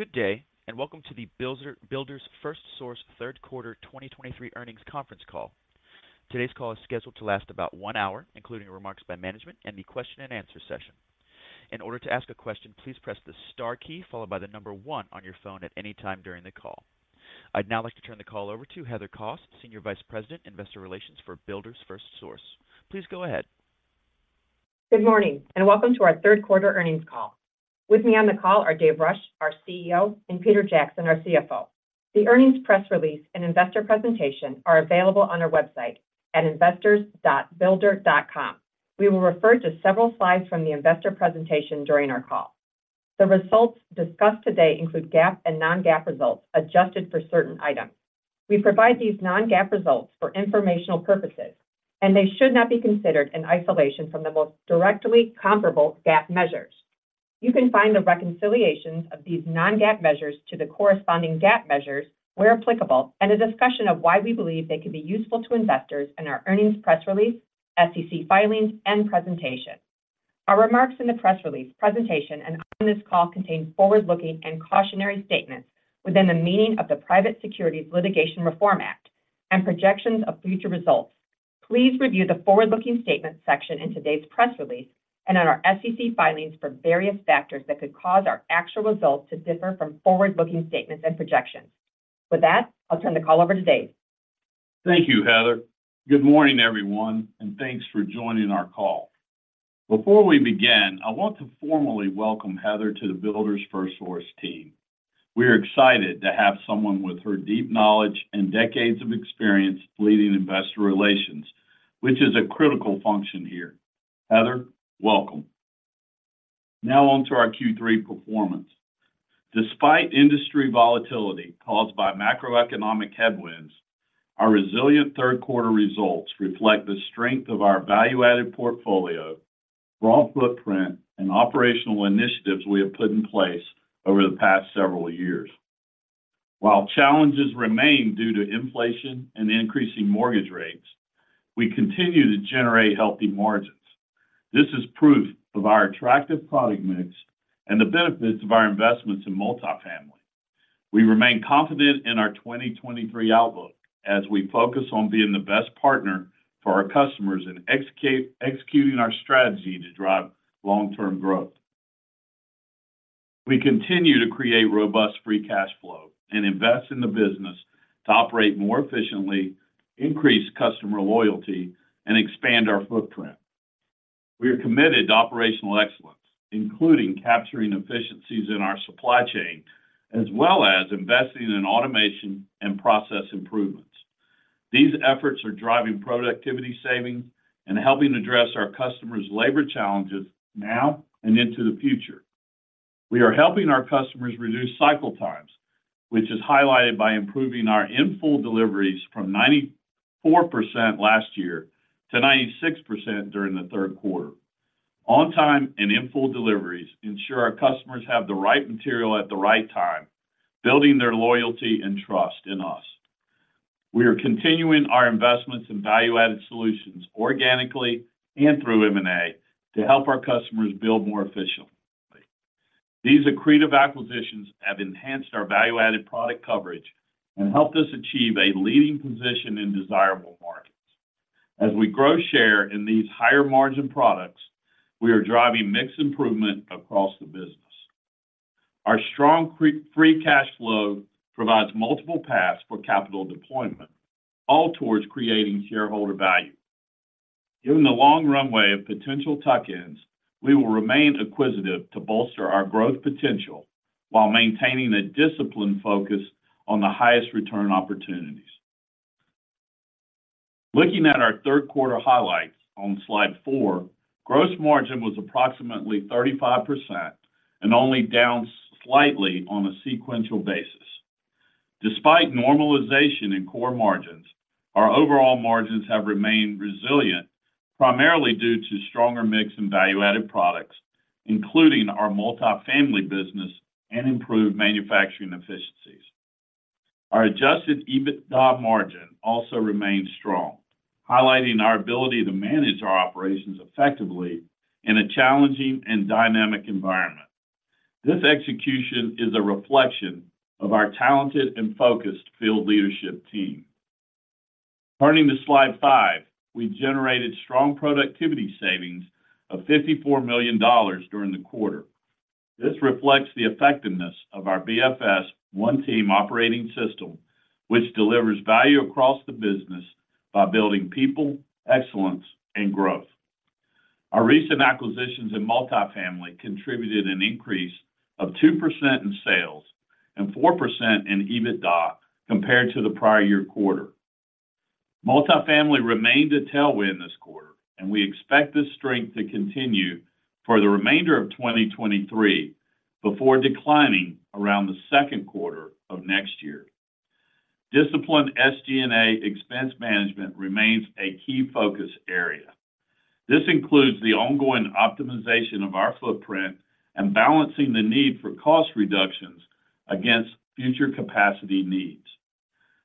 Good day, and welcome to the Builders FirstSource third quarter 2023 earnings conference call. Today's call is scheduled to last about one hour, including remarks by management and the question and answer session. In order to ask a question, please press the star key followed by the number one on your phone at any time during the call. I'd now like to turn the call over to Heather Kos, Senior Vice President, Investor Relations for Builders FirstSource. Please go ahead. Good morning, and welcome to our third quarter earnings call. With me on the call are Dave Rush, our CEO, and Peter Jackson, our CFO. The earnings press release and investor presentation are available on our website at investors.buildersfirstsource.com. We will refer to several slides from the investor presentation during our call. The results discussed today include GAAP and non-GAAP results, adjusted for certain items. We provide these non-GAAP results for informational purposes, and they should not be considered in isolation from the most directly comparable GAAP measures. You can find the reconciliations of these non-GAAP measures to the corresponding GAAP measures, where applicable, and a discussion of why we believe they can be useful to investors in our earnings press release, SEC filings, and presentation. Our remarks in the press release, presentation, and on this call contain forward-looking and cautionary statements within the meaning of the Private Securities Litigation Reform Act and projections of future results. Please review the forward-looking statements section in today's press release and on our SEC filings for various factors that could cause our actual results to differ from forward-looking statements and projections. With that, I'll turn the call over to Dave. Thank you, Heather. Good morning, everyone, and thanks for joining our call. Before we begin, I want to formally welcome Heather to the Builders FirstSource team. We are excited to have someone with her deep knowledge and decades of experience leading investor relations, which is a critical function here. Heather, welcome. Now on to our Q3 performance. Despite industry volatility caused by macroeconomic headwinds, our resilient third quarter results reflect the strength of our value-added portfolio, broad footprint, and operational initiatives we have put in place over the past several years. While challenges remain due to inflation and increasing mortgage rates, we continue to generate healthy margins. This is proof of our attractive product mix and the benefits of our investments in multifamily. We remain confident in our 2023 outlook as we focus on being the best partner for our customers and executing our strategy to drive long-term growth. We continue to create robust free cash flow and invest in the business to operate more efficiently, increase customer loyalty, and expand our footprint. We are committed to operational excellence, including capturing efficiencies in our supply chain, as well as investing in automation and process improvements. These efforts are driving productivity savings and helping address our customers' labor challenges now and into the future. We are helping our customers reduce cycle times, which is highlighted by improving our in-full deliveries from 94% last year to 96% during the third quarter. On-time and in-full deliveries ensure our customers have the right material at the right time, building their loyalty and trust in us. We are continuing our investments in value-added solutions organically and through M&A to help our customers build more efficiently. These accretive acquisitions have enhanced our value-added product coverage and helped us achieve a leading position in desirable markets. As we grow share in these higher-margin products, we are driving mix improvement across the business. Our strong free cash flow provides multiple paths for capital deployment, all towards creating shareholder value. Given the long runway of potential tuck-ins, we will remain acquisitive to bolster our growth potential while maintaining a disciplined focus on the highest return opportunities. Looking at our third quarter highlights on slide four, gross margin was approximately 35% and only down slightly on a sequential basis. Despite normalization in core margins, our overall margins have remained resilient, primarily due to stronger mix in value-added products, including our multifamily business and improved manufacturing efficiencies. Our adjusted EBITDA margin also remained strong, highlighting our ability to manage our operations effectively in a challenging and dynamic environment. This execution is a reflection of our talented and focused field leadership team. Turning to slide five, we generated strong productivity savings of $54 million during the quarter. This reflects the effectiveness of our BFS One Team Operating System, which delivers value across the business by building people, excellence, and growth. Our recent acquisitions in multifamily contributed an increase of 2% in sales and 4% in EBITDA compared to the prior year quarter. Multifamily remained a tailwind this quarter, and we expect this strength to continue for the remainder of 2023, before declining around the second quarter of next year. Disciplined SG&A expense management remains a key focus area. This includes the ongoing optimization of our footprint and balancing the need for cost reductions against future capacity needs.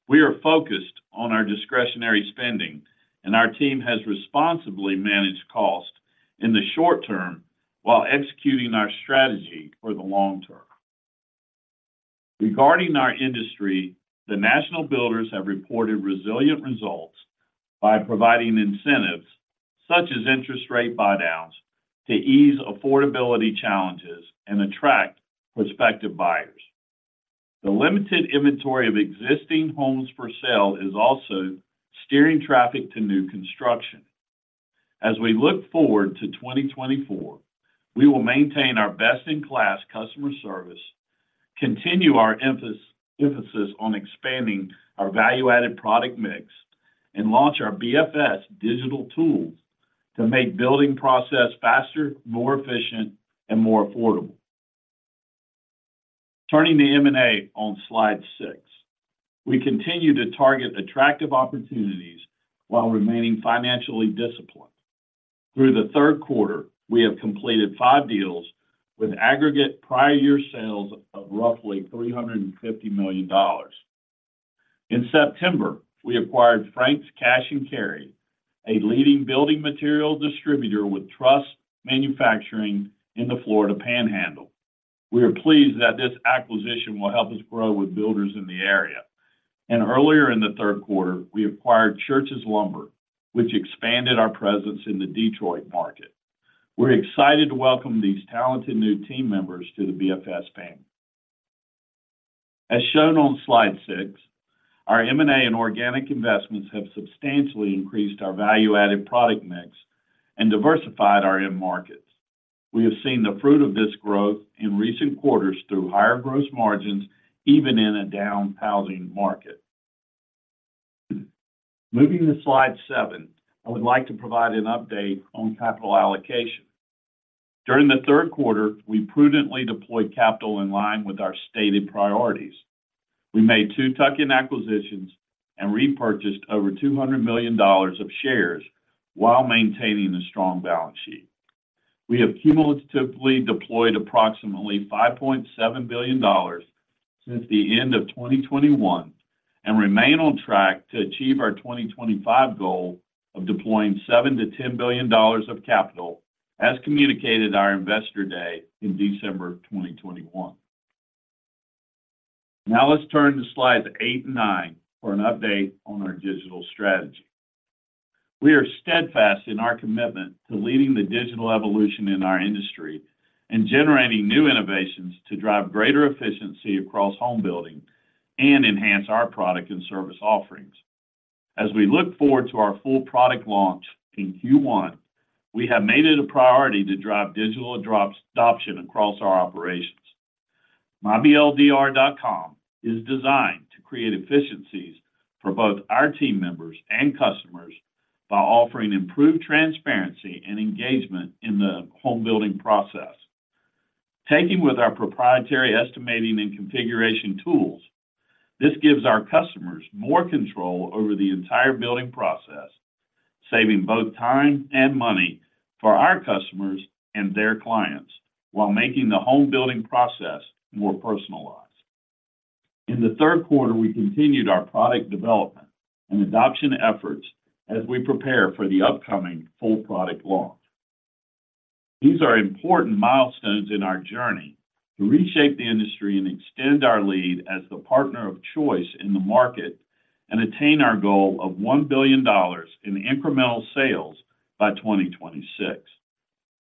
We are focused on our discretionary spending, and our team has responsibly managed costs in the short term while executing our strategy for the long term. Regarding our industry, the national builders have reported resilient results by providing incentives, such as interest rate buydowns, to ease affordability challenges and attract prospective buyers. The limited inventory of existing homes for sale is also steering traffic to new construction. As we look forward to 2024, we will maintain our best-in-class customer service, continue our emphasis, emphasis on expanding our value-added product mix, and launch our BFS digital tools to make building process faster, more efficient, and more affordable. Turning to M&A on slide six, we continue to target attractive opportunities while remaining financially disciplined. Through the third quarter, we have completed 5 deals with aggregate prior year sales of roughly $350 million. In September, we acquired Frank's Cash & Carry, a leading building material distributor with truss manufacturing in the Florida Panhandle. We are pleased that this acquisition will help us grow with builders in the area. Earlier in the third quarter, we acquired Church's Lumber, which expanded our presence in the Detroit market. We're excited to welcome these talented new team members to the BFS family. As shown on slide six, our M&A and organic investments have substantially increased our value-added product mix and diversified our end markets. We have seen the fruit of this growth in recent quarters through higher gross margins, even in a down housing market. Moving to slide seven, I would like to provide an update on capital allocation. During the third quarter, we prudently deployed capital in line with our stated priorities. We made two tuck-in acquisitions and repurchased over $200 million of shares while maintaining a strong balance sheet. We have cumulatively deployed approximately $5.7 billion since the end of 2021 and remain on track to achieve our 2025 goal of deploying $7 billion-$10 billion of capital, as communicated at our Investor Day in December 2021. Now let's turn to slides eight and nine for an update on our digital strategy. We are steadfast in our commitment to leading the digital evolution in our industry and generating new innovations to drive greater efficiency across home building and enhance our product and service offerings. As we look forward to our full product launch in Q1, we have made it a priority to drive digital adoption across our operations. myBLDR.com is designed to create efficiencies for both our team members and customers by offering improved transparency and engagement in the home building process. Taken with our proprietary estimating and configuration tools, this gives our customers more control over the entire building process, saving both time and money for our customers and their clients, while making the home building process more personalized. In the third quarter, we continued our product development and adoption efforts as we prepare for the upcoming full product launch. These are important milestones in our journey to reshape the industry and extend our lead as the partner of choice in the market and attain our goal of $1 billion in incremental sales by 2026.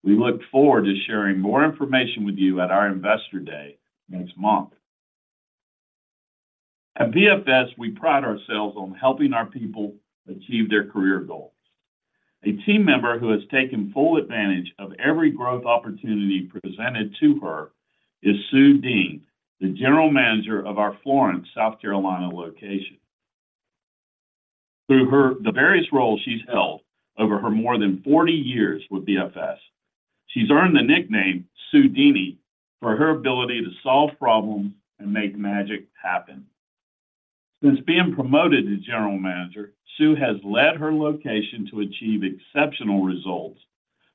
We look forward to sharing more information with you at our Investor Day next month. At BFS, we pride ourselves on helping our people achieve their career goals. A team member who has taken full advantage of every growth opportunity presented to her is Sue Dean, the General Manager of our Florence, South Carolina, location. Through her, the various roles she's held over her more than 40 years with BFS, she's earned the nickname Sue Deany for her ability to solve problems and make magic happen. Since being promoted to general manager, Sue has led her location to achieve exceptional results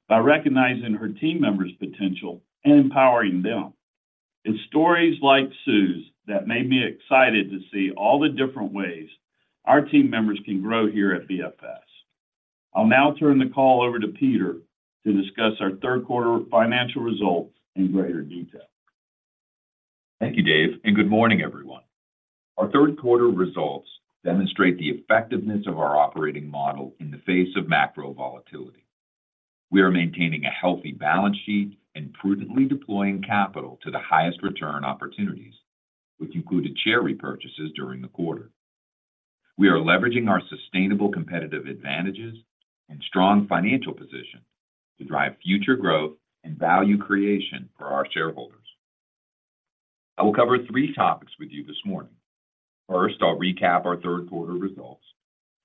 by recognizing her team members' potential and empowering them. It's stories like Sue's that make me excited to see all the different ways our team members can grow here at BFS. I'll now turn the call over to Peter to discuss our third quarter financial results in greater detail. Thank you, Dave, and good morning, everyone. Our third quarter results demonstrate the effectiveness of our operating model in the face of macro volatility. We are maintaining a healthy balance sheet and prudently deploying capital to the highest return opportunities, which included share repurchases during the quarter. We are leveraging our sustainable competitive advantages and strong financial position to drive future growth and value creation for our shareholders. I will cover three topics with you this morning. First, I'll recap our third quarter results.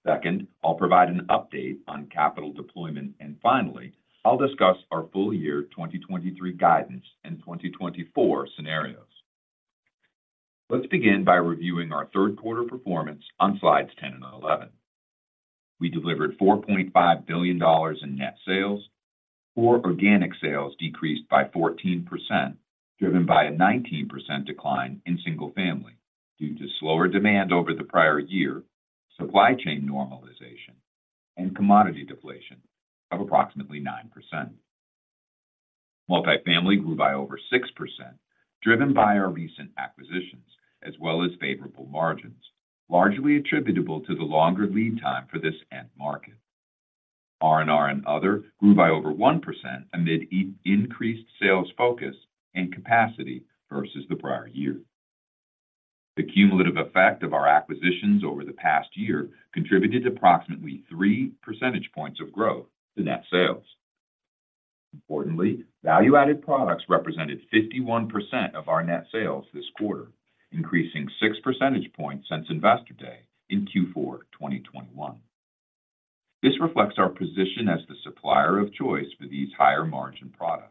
Second, I'll provide an update on capital deployment. And finally, I'll discuss our full year 2023 guidance and 2024 scenarios. Let's begin by reviewing our third quarter performance on slides 10 and 11.... We delivered $4.5 billion in net sales. Core organic sales decreased by 14%, driven by a 19% decline in single-family due to slower demand over the prior year, supply chain normalization, and commodity deflation of approximately 9%. Multifamily grew by over 6%, driven by our recent acquisitions, as well as favorable margins, largely attributable to the longer lead time for this end market. R&R and other grew by over 1% amid increased sales focus and capacity versus the prior year. The cumulative effect of our acquisitions over the past year contributed approximately 3 percentage points of growth to net sales. Importantly, value-added products represented 51% of our net sales this quarter, increasing 6 percentage points since Investor Day in Q4 2021. This reflects our position as the supplier of choice for these higher-margin products.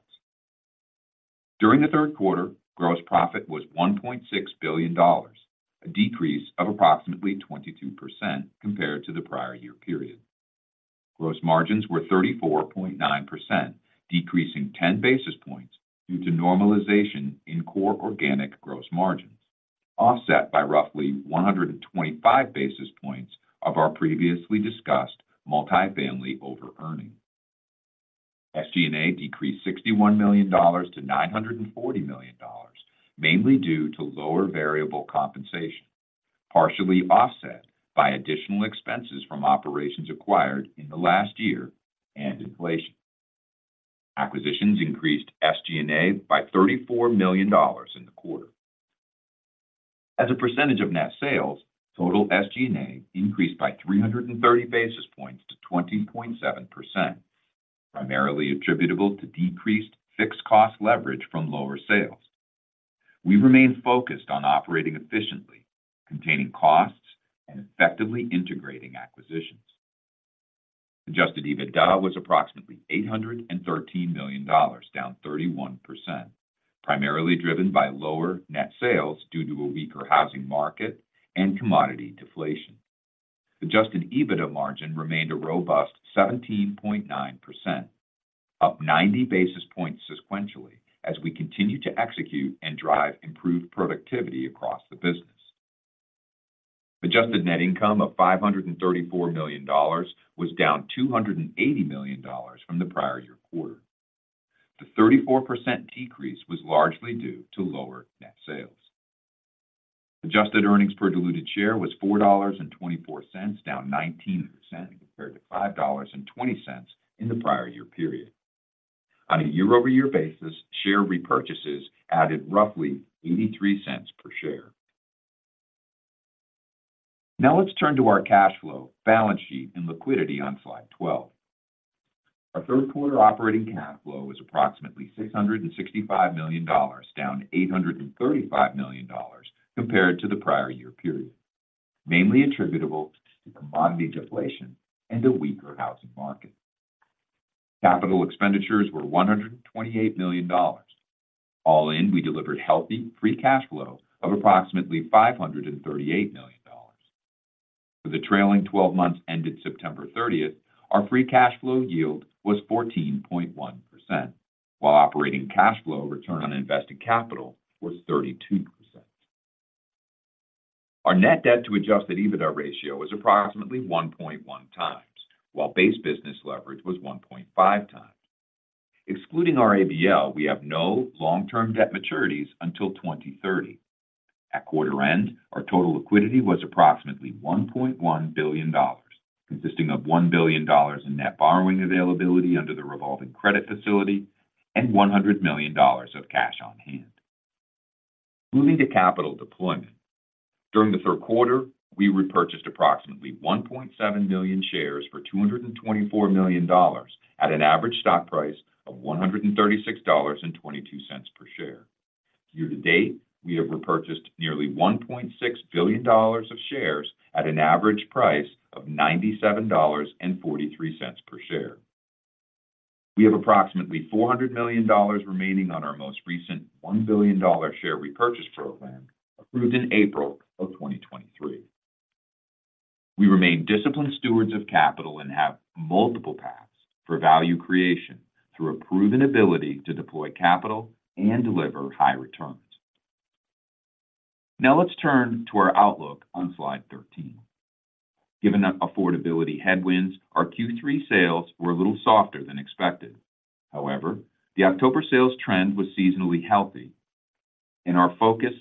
During the third quarter, gross profit was $1.6 billion, a decrease of approximately 22% compared to the prior year period. Gross margins were 34.9%, decreasing 10 basis points due to normalization in core organic gross margins, offset by roughly 125 basis points of our previously discussed multifamily over-earning. SG&A decreased $61 million to $940 million, mainly due to lower variable compensation, partially offset by additional expenses from operations acquired in the last year and inflation. Acquisitions increased SG&A by $34 million in the quarter. As a percentage of net sales, total SG&A increased by 330 basis points to 20.7%, primarily attributable to decreased fixed cost leverage from lower sales. We remain focused on operating efficiently, containing costs, and effectively integrating acquisitions. Adjusted EBITDA was approximately $813 million, down 31%, primarily driven by lower net sales due to a weaker housing market and commodity deflation. Adjusted EBITDA margin remained a robust 17.9%, up 90 basis points sequentially as we continue to execute and drive improved productivity across the business. Adjusted net income of $534 million was down $280 million from the prior year quarter. The 34% decrease was largely due to lower net sales. Adjusted earnings per diluted share was $4.24, down 19% compared to $5.20 in the prior year period. On a year-over-year basis, share repurchases added roughly 83 cents per share. Now let's turn to our cash flow, balance sheet, and liquidity on slide 12. Our third quarter operating cash flow was approximately $665 million, down $835 million compared to the prior year period, mainly attributable to commodity deflation and a weaker housing market. Capital expenditures were $128 million. All in, we delivered healthy free cash flow of approximately $538 million. For the trailing 12 months ended September 30th, our free cash flow yield was 14.1%, while operating cash flow return on invested capital was 32%. Our net debt to adjusted EBITDA ratio was approximately 1.1x, while base business leverage was 1.5x. Excluding our ABL, we have no long-term debt maturities until 2030. At quarter end, our total liquidity was approximately $1.1 billion, consisting of $1 billion in net borrowing availability under the revolving credit facility and $100 million of cash on hand. Moving to capital deployment, during the third quarter, we repurchased approximately 1.7 million shares for $224 million at an average stock price of $136.22 per share. Year-to-date, we have repurchased nearly $1.6 billion of shares at an average price of $97.43 per share. We have approximately $400 million remaining on our most recent $1 billion share repurchase program, approved in April of 2023. We remain disciplined stewards of capital and have multiple paths for value creation through a proven ability to deploy capital and deliver high returns. Now let's turn to our outlook on slide 13. Given the affordability headwinds, our Q3 sales were a little softer than expected. However, the October sales trend was seasonally healthy, and our focus,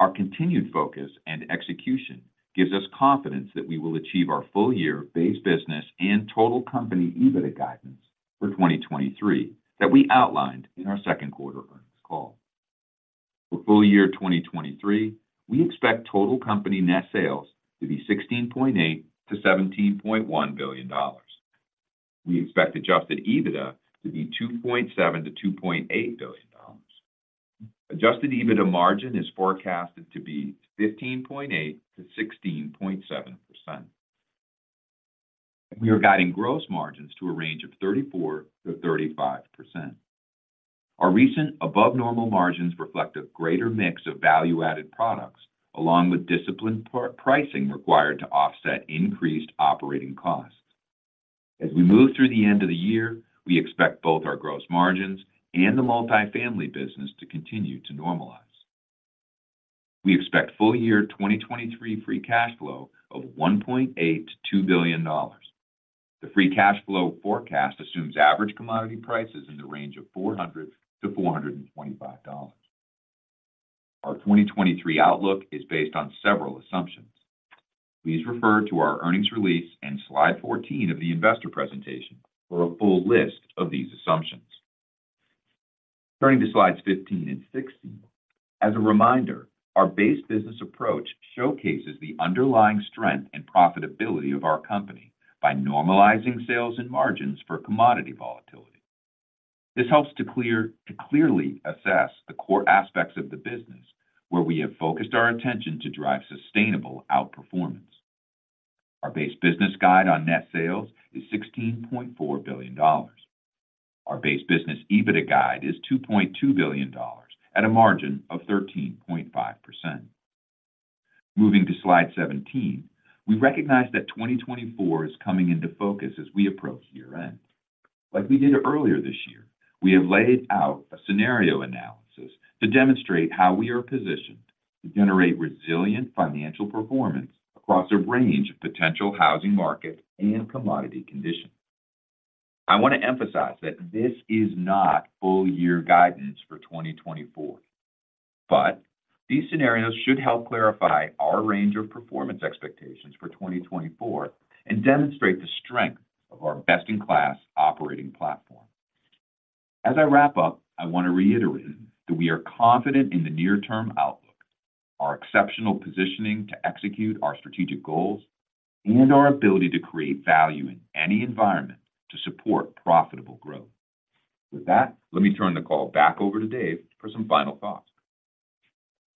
our continued focus and execution gives us confidence that we will achieve our full-year base business and total company EBITDA guidance for 2023 that we outlined in our second quarter earnings call. For full year 2023, we expect total company net sales to be $16.8 billion-$17.1 billion. We expect adjusted EBITDA to be $2.7 billion-$2.8 billion. Adjusted EBITDA margin is forecasted to be 15.8%-16.7%. We are guiding gross margins to a range of 34%-35%. Our recent above normal margins reflect a greater mix of value-added products, along with disciplined pricing required to offset increased operating costs. As we move through the end of the year, we expect both our gross margins and the multifamily business to continue to normalize. We expect full year 2023 free cash flow of $1.8 billion-$2 billion. The free cash flow forecast assumes average commodity prices in the range of $400-$425. Our 2023 outlook is based on several assumptions. Please refer to our earnings release and slide 14 of the investor presentation for a full list of these assumptions. Turning to slides 15 and 16, as a reminder, our base business approach showcases the underlying strength and profitability of our company by normalizing sales and margins for commodity volatility. This helps to clearly assess the core aspects of the business, where we have focused our attention to drive sustainable outperformance. Our base business guide on net sales is $1.6 billion. Our base business EBITDA guide is $2.2 billion at a margin of 13.5%. Moving to slide 17, we recognize that 2024 is coming into focus as we approach year-end. Like we did earlier this year, we have laid out a scenario analysis to demonstrate how we are positioned to generate resilient financial performance across a range of potential housing market and commodity conditions. I want to emphasize that this is not full year guidance for 2024, but these scenarios should help clarify our range of performance expectations for 2024 and demonstrate the strength of our best-in-class operating platform. As I wrap up, I want to reiterate that we are confident in the near-term outlook, our exceptional positioning to execute our strategic goals, and our ability to create value in any environment to support profitable growth. With that, let me turn the call back over to Dave for some final thoughts.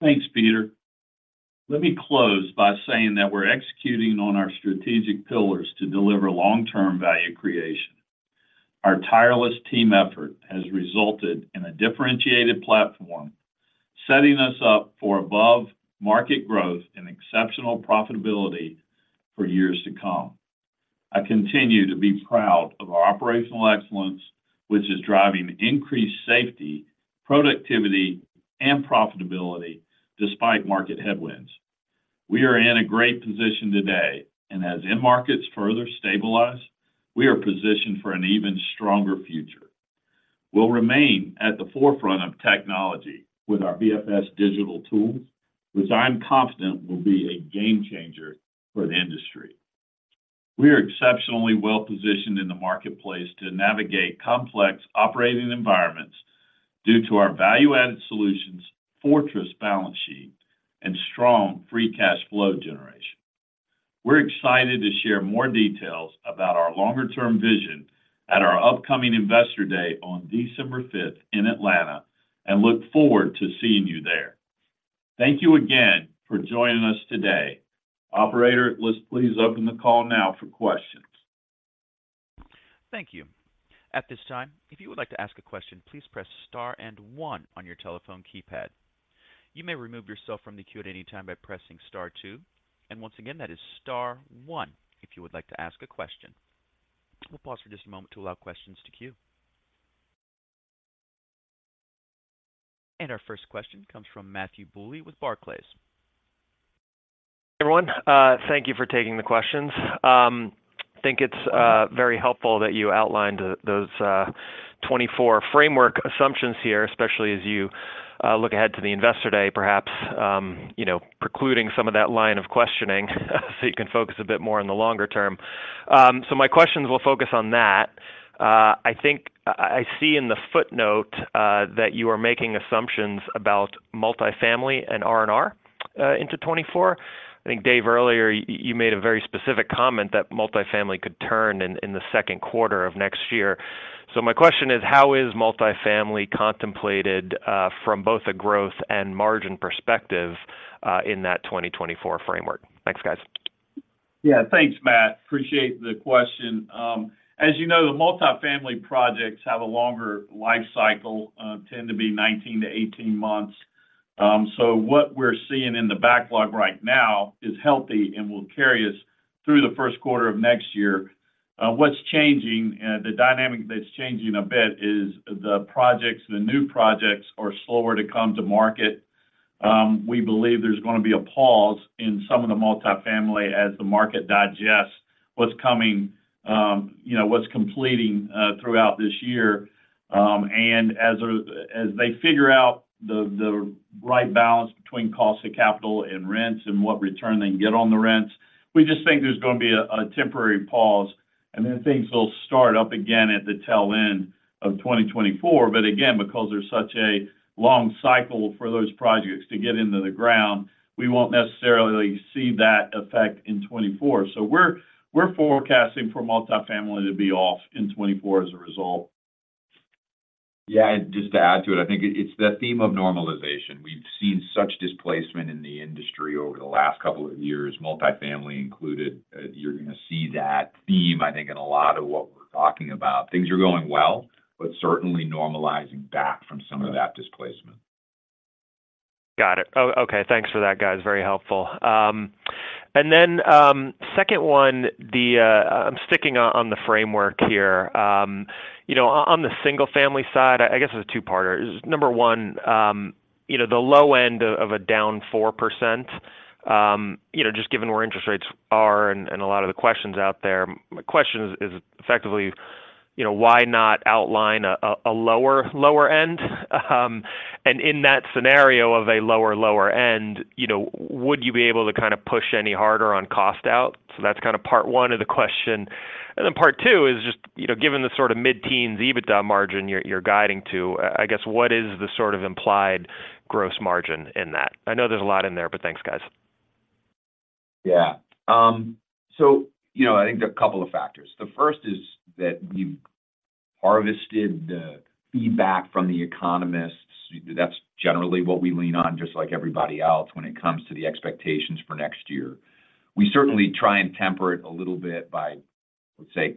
Thanks, Peter. Let me close by saying that we're executing on our strategic pillars to deliver long-term value creation. Our tireless team effort has resulted in a differentiated platform, setting us up for above-market growth and exceptional profitability for years to come. I continue to be proud of our operational excellence, which is driving increased safety, productivity, and profitability despite market headwinds. We are in a great position today, and as end markets further stabilize, we are positioned for an even stronger future. We'll remain at the forefront of technology with our BFS digital tools, which I'm confident will be a game changer for the industry. We are exceptionally well positioned in the marketplace to navigate complex operating environments due to our value-added solutions, fortress balance sheet, and strong free cash flow generation. We're excited to share more details about our longer-term vision at our upcoming Investor Day on December fifth in Atlanta, and look forward to seeing you there. Thank you again for joining us today. Operator, let's please open the call now for questions. Thank you. At this time, if you would like to ask a question, please press star and one on your telephone keypad. You may remove yourself from the queue at any time by pressing star two. Once again, that is star one if you would like to ask a question. We'll pause for just a moment to allow questions to queue. Our first question comes from Matthew Bouley with Barclays. Everyone, thank you for taking the questions. I think it's very helpful that you outlined those 2024 framework assumptions here, especially as you look ahead to the Investor Day, perhaps, you know, precluding some of that line of questioning, so you can focus a bit more on the longer term. So my questions will focus on that. I think I see in the footnote that you are making assumptions about multifamily and R&R into 2024. I think, Dave, earlier, you made a very specific comment that multifamily could turn in the second quarter of next year. So my question is: how is multifamily contemplated from both a growth and margin perspective in that 2024 framework? Thanks, guys. Yeah, thanks, Matt. Appreciate the question. As you know, the multifamily projects have a longer life cycle, tend to be 19-18 months. So what we're seeing in the backlog right now is healthy and will carry us through the first quarter of next year. What's changing, the dynamic that's changing a bit is the projects, the new projects are slower to come to market. We believe there's gonna be a pause in some of the multifamily as the market digests what's coming, you know, what's completing throughout this year. And as they figure out the right balance between cost of capital and rents and what return they can get on the rents, we just think there's gonna be a temporary pause, and then things will start up again at the tail end of 2024. But again, because there's such a long cycle for those projects to get into the ground, we won't necessarily see that effect in 2024. So we're forecasting for multifamily to be off in 2024 as a result. Yeah, just to add to it, I think it's the theme of normalization. We've seen such displacement in the industry over the last couple of years, multifamily included. You're gonna see that theme, I think, in a lot of what we're talking about. Things are going well, but certainly normalizing back from some of that displacement. .Got it. Oh, okay, thanks for that, guys. Very helpful. And then, second one, the, I'm sticking on, on the framework here. You know, on the single-family side, I guess it's a two-parter. Number one, you know, the low end of a down 4%, you know, just given where interest rates are and, and a lot of the questions out there, my question is effectively, you know, why not outline a lower end? And in that scenario of a lower end, you know, would you be able to kind of push any harder on cost out? So that's kind of part one of the question. And then part two is just, you know, given the sort of mid-teen EBITDA margin you're guiding to, I guess, what is the sort of implied gross margin in that? I know there's a lot in there, but thanks, guys. Yeah. So, you know, I think there are a couple of factors. The first is that you've harvested the feedback from the economists. That's generally what we lean on, just like everybody else when it comes to the expectations for next year. We certainly try and temper it a little bit by, let's say,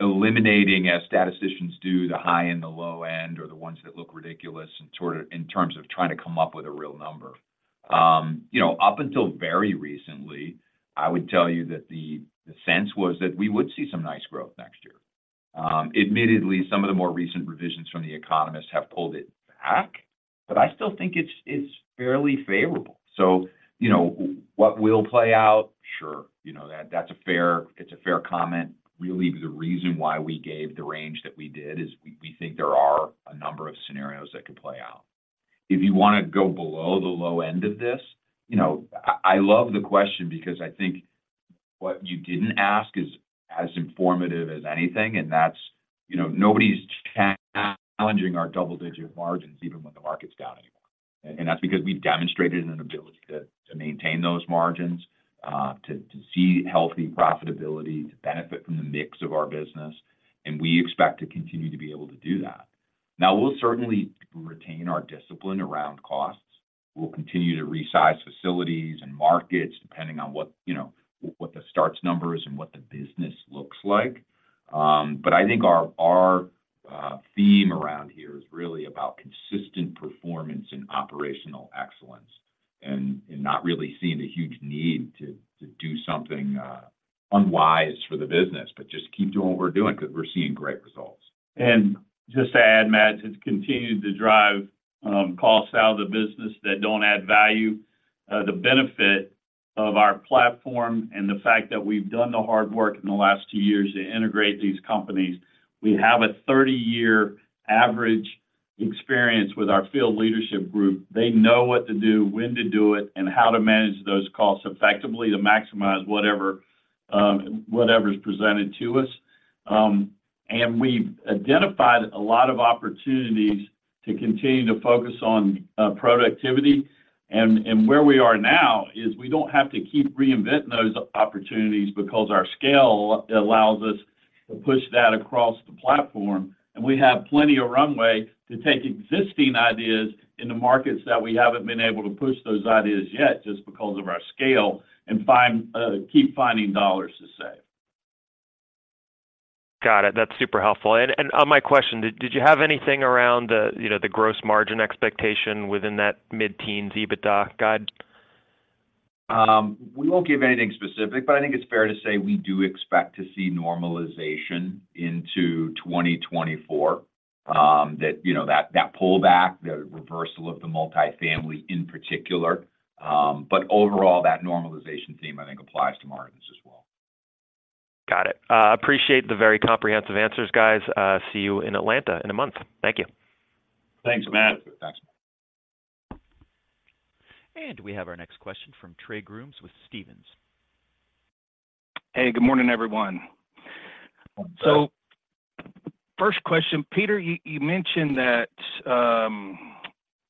eliminating, as statisticians do, the high and the low end, or the ones that look ridiculous, and sort of in terms of trying to come up with a real number. You know, up until very recently, I would tell you that the, the sense was that we would see some nice growth next year. Admittedly, some of the more recent revisions from the economists have pulled it back, but I still think it's, it's fairly favorable. So, you know, what will play out? Sure. You know, that's a fair comment. Really, the reason why we gave the range that we did is we think there are a number of scenarios that could play out. If you want to go below the low end of this, you know, I love the question because I think what you didn't ask is as informative as anything, and that's, you know, nobody's challenging our double-digit margins even when the market's down anymore. And that's because we've demonstrated an ability to maintain those margins, to see healthy profitability, to benefit from the mix of our business, and we expect to continue to be able to do that. Now, we'll certainly retain our discipline around costs. We'll continue to resize facilities and markets, depending on what, you know, what the starts number is and what the business looks like. But I think our theme around here is really about consistent performance and operational excellence, and not really seeing a huge need to do something unwise for the business, but just keep doing what we're doing because we're seeing great results. And just to add, Matt, it's continued to drive costs out of the business that don't add value. The benefit of our platform and the fact that we've done the hard work in the last two years to integrate these companies, we have a 30-year average experience with our field leadership group. They know what to do, when to do it, and how to manage those costs effectively to maximize whatever whatever is presented to us. And we've identified a lot of opportunities to continue to focus on productivity. Where we are now is we don't have to keep reinventing those opportunities because our scale allows us to push that across the platform, and we have plenty of runway to take existing ideas in the markets that we haven't been able to push those ideas yet, just because of our scale, and find, keep finding dollars to save. Got it. That's super helpful. And on my question, did you have anything around the, you know, the gross margin expectation within that mid-teen EBITDA guide? We won't give anything specific, but I think it's fair to say we do expect to see normalization into 2024. That, you know, pullback, the reversal of the multifamily in particular, but overall, that normalization theme, I think, applies to margins as well. Got it. Appreciate the very comprehensive answers, guys. See you in Atlanta in a month. Thank you. Thanks, Matt. Thanks. We have our next question from Trey Grooms with Stephens. Hey, good morning, everyone. So first question, Peter, you, you mentioned that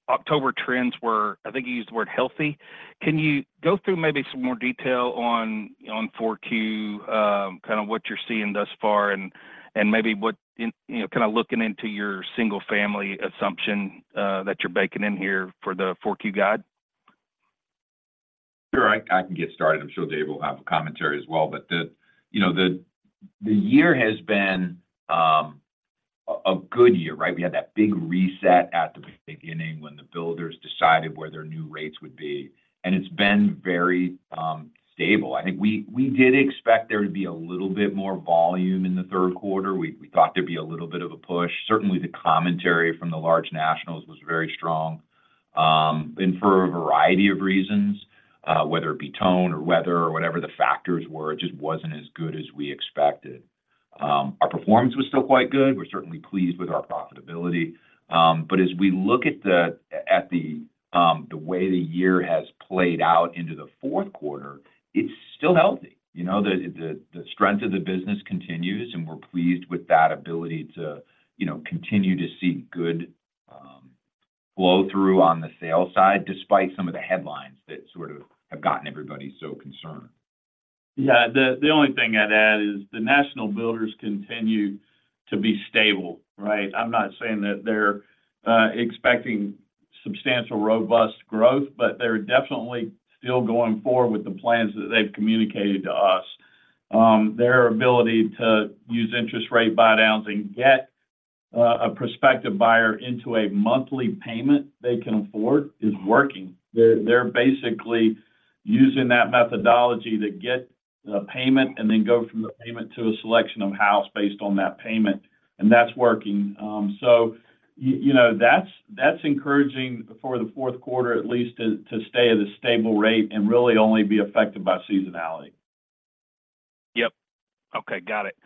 October trends were, I think you used the word healthy. Can you go through maybe some more detail on 4Q, kind of what you're seeing thus far and, and maybe what, you know, kind of looking into your single-family assumption, that you're baking in here for the 4Q guide? Sure, I can get started. I'm sure Dave will have a commentary as well. But you know, the year has been a good year, right? We had that big reset at the beginning when the builders decided where their new rates would be, and it's been very stable. I think we did expect there to be a little bit more volume in the third quarter. We thought there'd be a little bit of a push. Certainly, the commentary from the large nationals was very strong, and for a variety of reasons, whether it be tone or weather or whatever the factors were, it just wasn't as good as we expected. Our performance was still quite good. We're certainly pleased with our profitability. But as we look at the way the year has played out into the fourth quarter, it's still healthy. You know, the strength of the business continues, and we're pleased with that ability to, you know, continue to see good flow-through on the sales side, despite some of the headlines that sort of have gotten everybody so concerned. Yeah, the only thing I'd add is the national builders continue to be stable, right? I'm not saying that they're expecting substantial, robust growth, but they're definitely still going forward with the plans that they've communicated to us. Their ability to use interest rate buydowns and get a prospective buyer into a monthly payment they can afford is working. They're basically using that methodology to get a payment and then go from the payment to a selection of house based on that payment, and that's working. So you know, that's encouraging for the fourth quarter at least to stay at a stable rate and really only be affected by seasonality. Yep. Okay. Got it.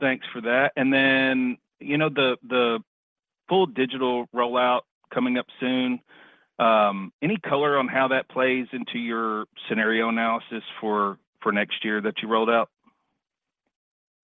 Thanks for that. And then, you know, the full digital rollout coming up soon, any color on how that plays into your scenario analysis for next year that you rolled out?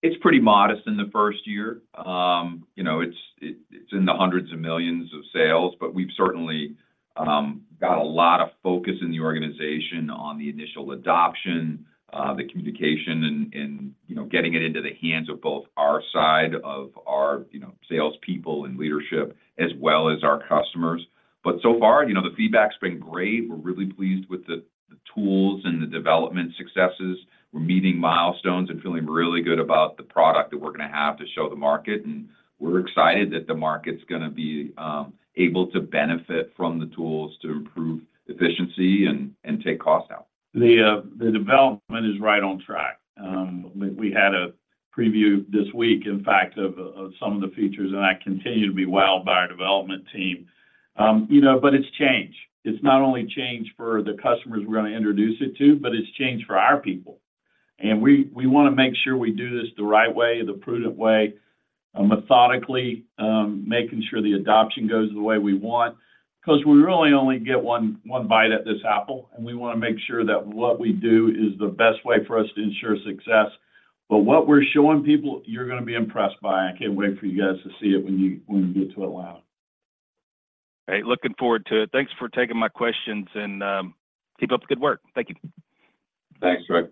It's pretty modest in the first year. You know, it's in the hundreds of millions in sales, but we've certainly got a lot of focus in the organization on the initial adoption, the communication and, you know, getting it into the hands of both our side of our, you know, salespeople and leadership, as well as our customers. But so far, you know, the feedback's been great. We're really pleased with the tools and the development successes. We're meeting milestones and feeling really good about the product that we're going to have to show the market, and we're excited that the market's going to be able to benefit from the tools to improve efficiency and take costs out. The, the development is right on track. We, we had a preview this week, in fact, of some of the features, and I continue to be wowed by our development team. You know, but it's change. It's not only change for the customers we're going to introduce it to, but it's change for our people, and we, we want to make sure we do this the right way, the prudent way, methodically, making sure the adoption goes the way we want, because we really only get one, one bite at this apple, and we want to make sure that what we do is the best way for us to ensure success. But what we're showing people, you're going to be impressed by. I can't wait for you guys to see it when you, when we get to allow it. Great. Looking forward to it. Thanks for taking my questions, and keep up the good work. Thank you. Thanks, Trey.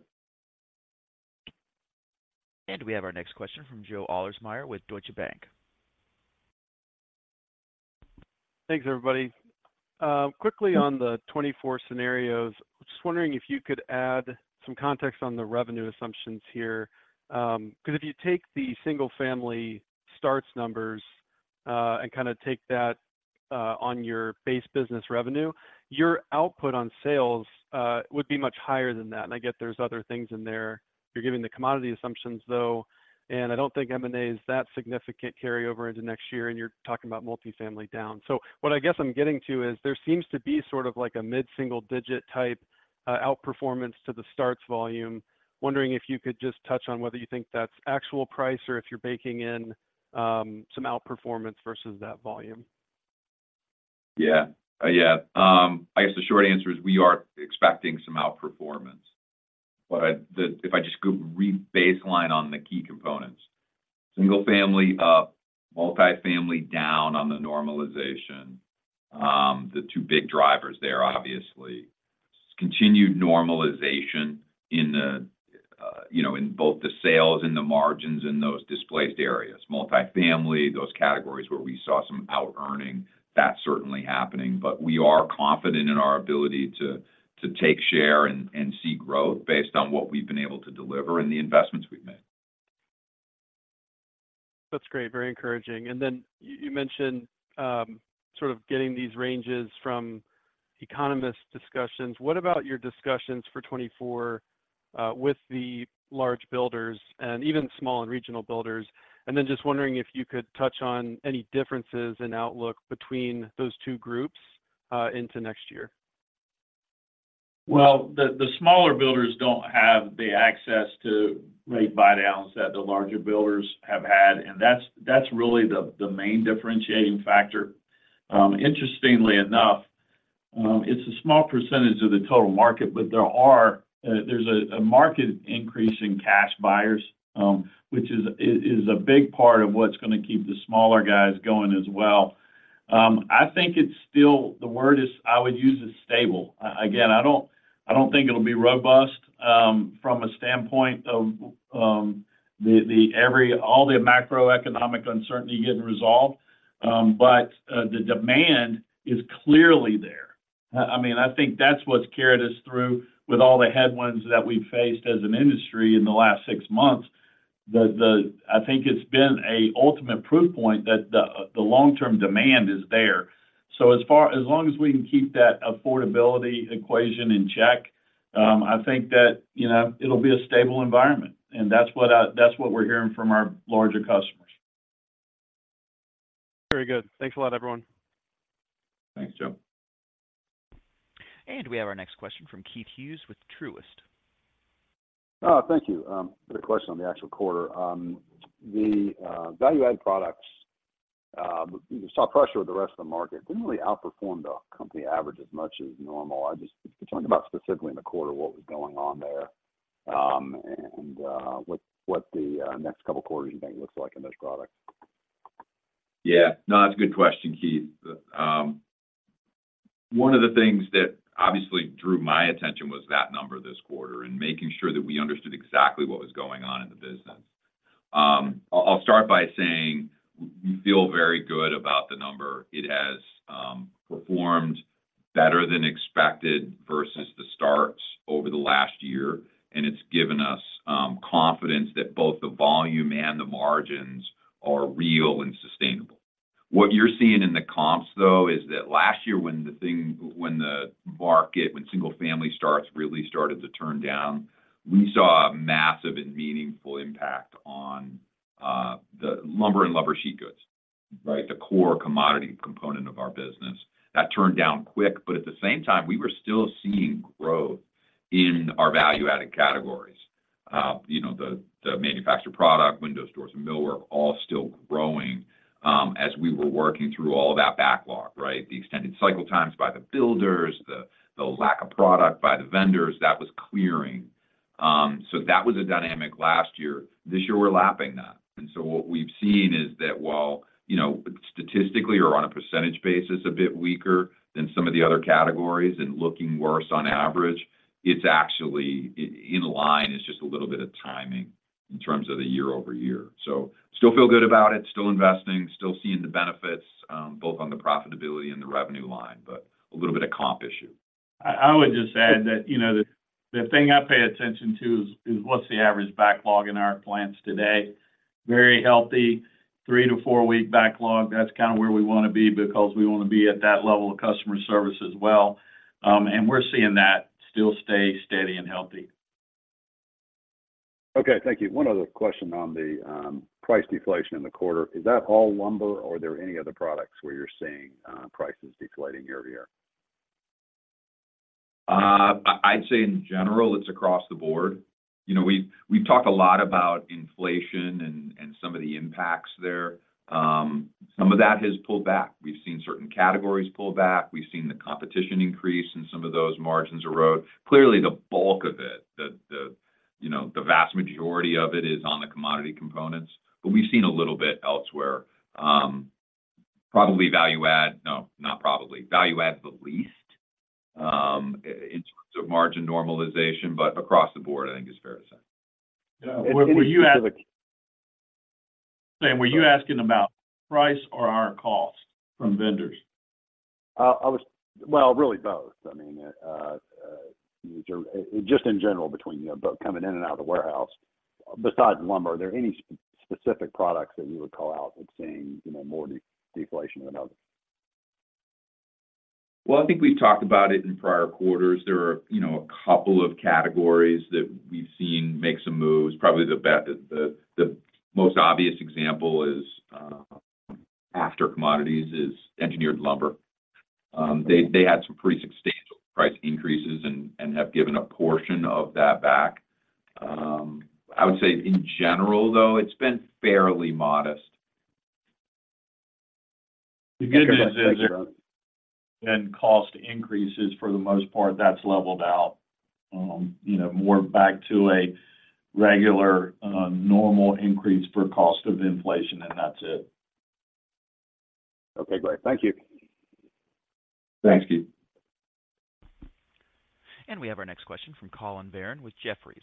We have our next question from Joe Ahlersmeyer with Deutsche Bank. Thanks, everybody. Quickly on the 2024 scenarios, just wondering if you could add some context on the revenue assumptions here. Because if you take the single-family starts numbers, and kind of take that on your base business revenue, your output on sales would be much higher than that. I get there's other things in there. You're giving the commodity assumptions, though, and I don't think M&A is that significant carryover into next year, and you're talking about multifamily down. So what I guess I'm getting to is there seems to be sort of like a mid-single-digit type outperformance to the starts volume. Wondering if you could just touch on whether you think that's actual price or if you're baking in some outperformance versus that volume. Yeah. Yeah. I guess the short answer is we are expecting some outperformance. But if I just go re-baseline on the key components, single-family up, multifamily down on the normalization. The two big drivers there, obviously. Continued normalization in the, you know, in both the sales and the margins in those displaced areas. Multifamily, those categories where we saw some out-earning, that's certainly happening. But we are confident in our ability to take share and see growth based on what we've been able to deliver and the investments we've made. That's great. Very encouraging. And then you mentioned sort of getting these ranges from economist discussions. What about your discussions for 2024 with the large builders and even small and regional builders? And then just wondering if you could touch on any differences in outlook between those two groups into next year. Well, the smaller builders don't have the access to rate buydowns that the larger builders have had, and that's really the main differentiating factor. Interestingly enough, it's a small percentage of the total market, but there's a market increase in cash buyers, which is a big part of what's going to keep the smaller guys going as well. I think it's still, the word is... I would use is stable. Again, I don't think it'll be robust, from a standpoint of, all the macroeconomic uncertainty getting resolved. But, the demand is clearly there. I mean, I think that's what's carried us through with all the headwinds that we've faced as an industry in the last six months. I think it's been a ultimate proof point that the long-term demand is there. So as far as long as we can keep that affordability equation in check, I think that, you know, it'll be a stable environment, and that's what we're hearing from our larger customers. Very good. Thanks a lot, everyone. Thanks, Joe. We have our next question from Keith Hughes with Truist. Thank you. Good question on the actual quarter. The value-add products you saw pressure with the rest of the market. Didn't really outperform the company average as much as normal. I just... Could you talk about specifically in the quarter, what was going on there, and what the next couple quarters you think looks like in those products? Yeah. No, that's a good question, Keith. One of the things that obviously drew my attention was that number this quarter and making sure that we understood exactly what was going on in the business. I'll start by saying we feel very good about the number. It has performed better than expected versus the starts over the last year, and it's given us confidence that both the volume and the margins are real and sustainable. What you're seeing in the comps, though, is that last year, when the market, when single-family starts really started to turn down, we saw a massive and meaningful impact on the lumber and lumber sheet goods, right? The core commodity component of our business. That turned down quick, but at the same time, we were still seeing growth in our value-added categories. You know, the manufactured product, windows, doors, and millwork, all still growing, as we were working through all of that backlog, right? The extended cycle times by the builders, the lack of product by the vendors, that was clearing. So that was a dynamic last year. This year, we're lapping that, and so what we've seen is that while, you know, statistically or on a percentage basis, a bit weaker than some of the other categories and looking worse on average, it's actually in line. It's just a little bit of timing in terms of the year-over-year. So still feel good about it, still investing, still seeing the benefits, both on the profitability and the revenue line, but a little bit of comp issue. I would just add that, you know, the thing I pay attention to is what's the average backlog in our plants today? Very healthy, 3-4-week backlog. That's kind of where we want to be because we want to be at that level of customer service as well. And we're seeing that still stay steady and healthy. Okay, thank you. One other question on the price deflation in the quarter. Is that all lumber, or are there any other products where you're seeing prices deflating year-over-year? I'd say in general, it's across the board. You know, we've talked a lot about inflation and some of the impacts there. Some of that has pulled back. We've seen certain categories pull back. We've seen the competition increase, and some of those margins erode. Clearly, the bulk of it, you know, the vast majority of it is on the commodity components, but we've seen a little bit elsewhere. Probably value add - no, not probably. Value add is the least in terms of margin normalization, but across the board, I think is fair to say. Yeah. Were you asking- Any specific- Sam, were you asking about price or our costs from vendors? Well, really both. I mean, just in general between, you know, both coming in and out of the warehouse. Besides lumber, are there any specific products that you would call out that's seeing, you know, more deflation than others? Well, I think we've talked about it in prior quarters. There are, you know, a couple of categories that we've seen make some moves. Probably the most obvious example, after commodities, is engineered lumber. They had some pretty substantial price increases and have given a portion of that back. I would say in general, though, it's been fairly modest. The good news is that- Okay, thank you.... then cost increases, for the most part, that's leveled out. You know, more back to a regular, normal increase for cost of inflation, and that's it. Okay, great. Thank you. Thank you. We have our next question from Collin Verron with Jefferies.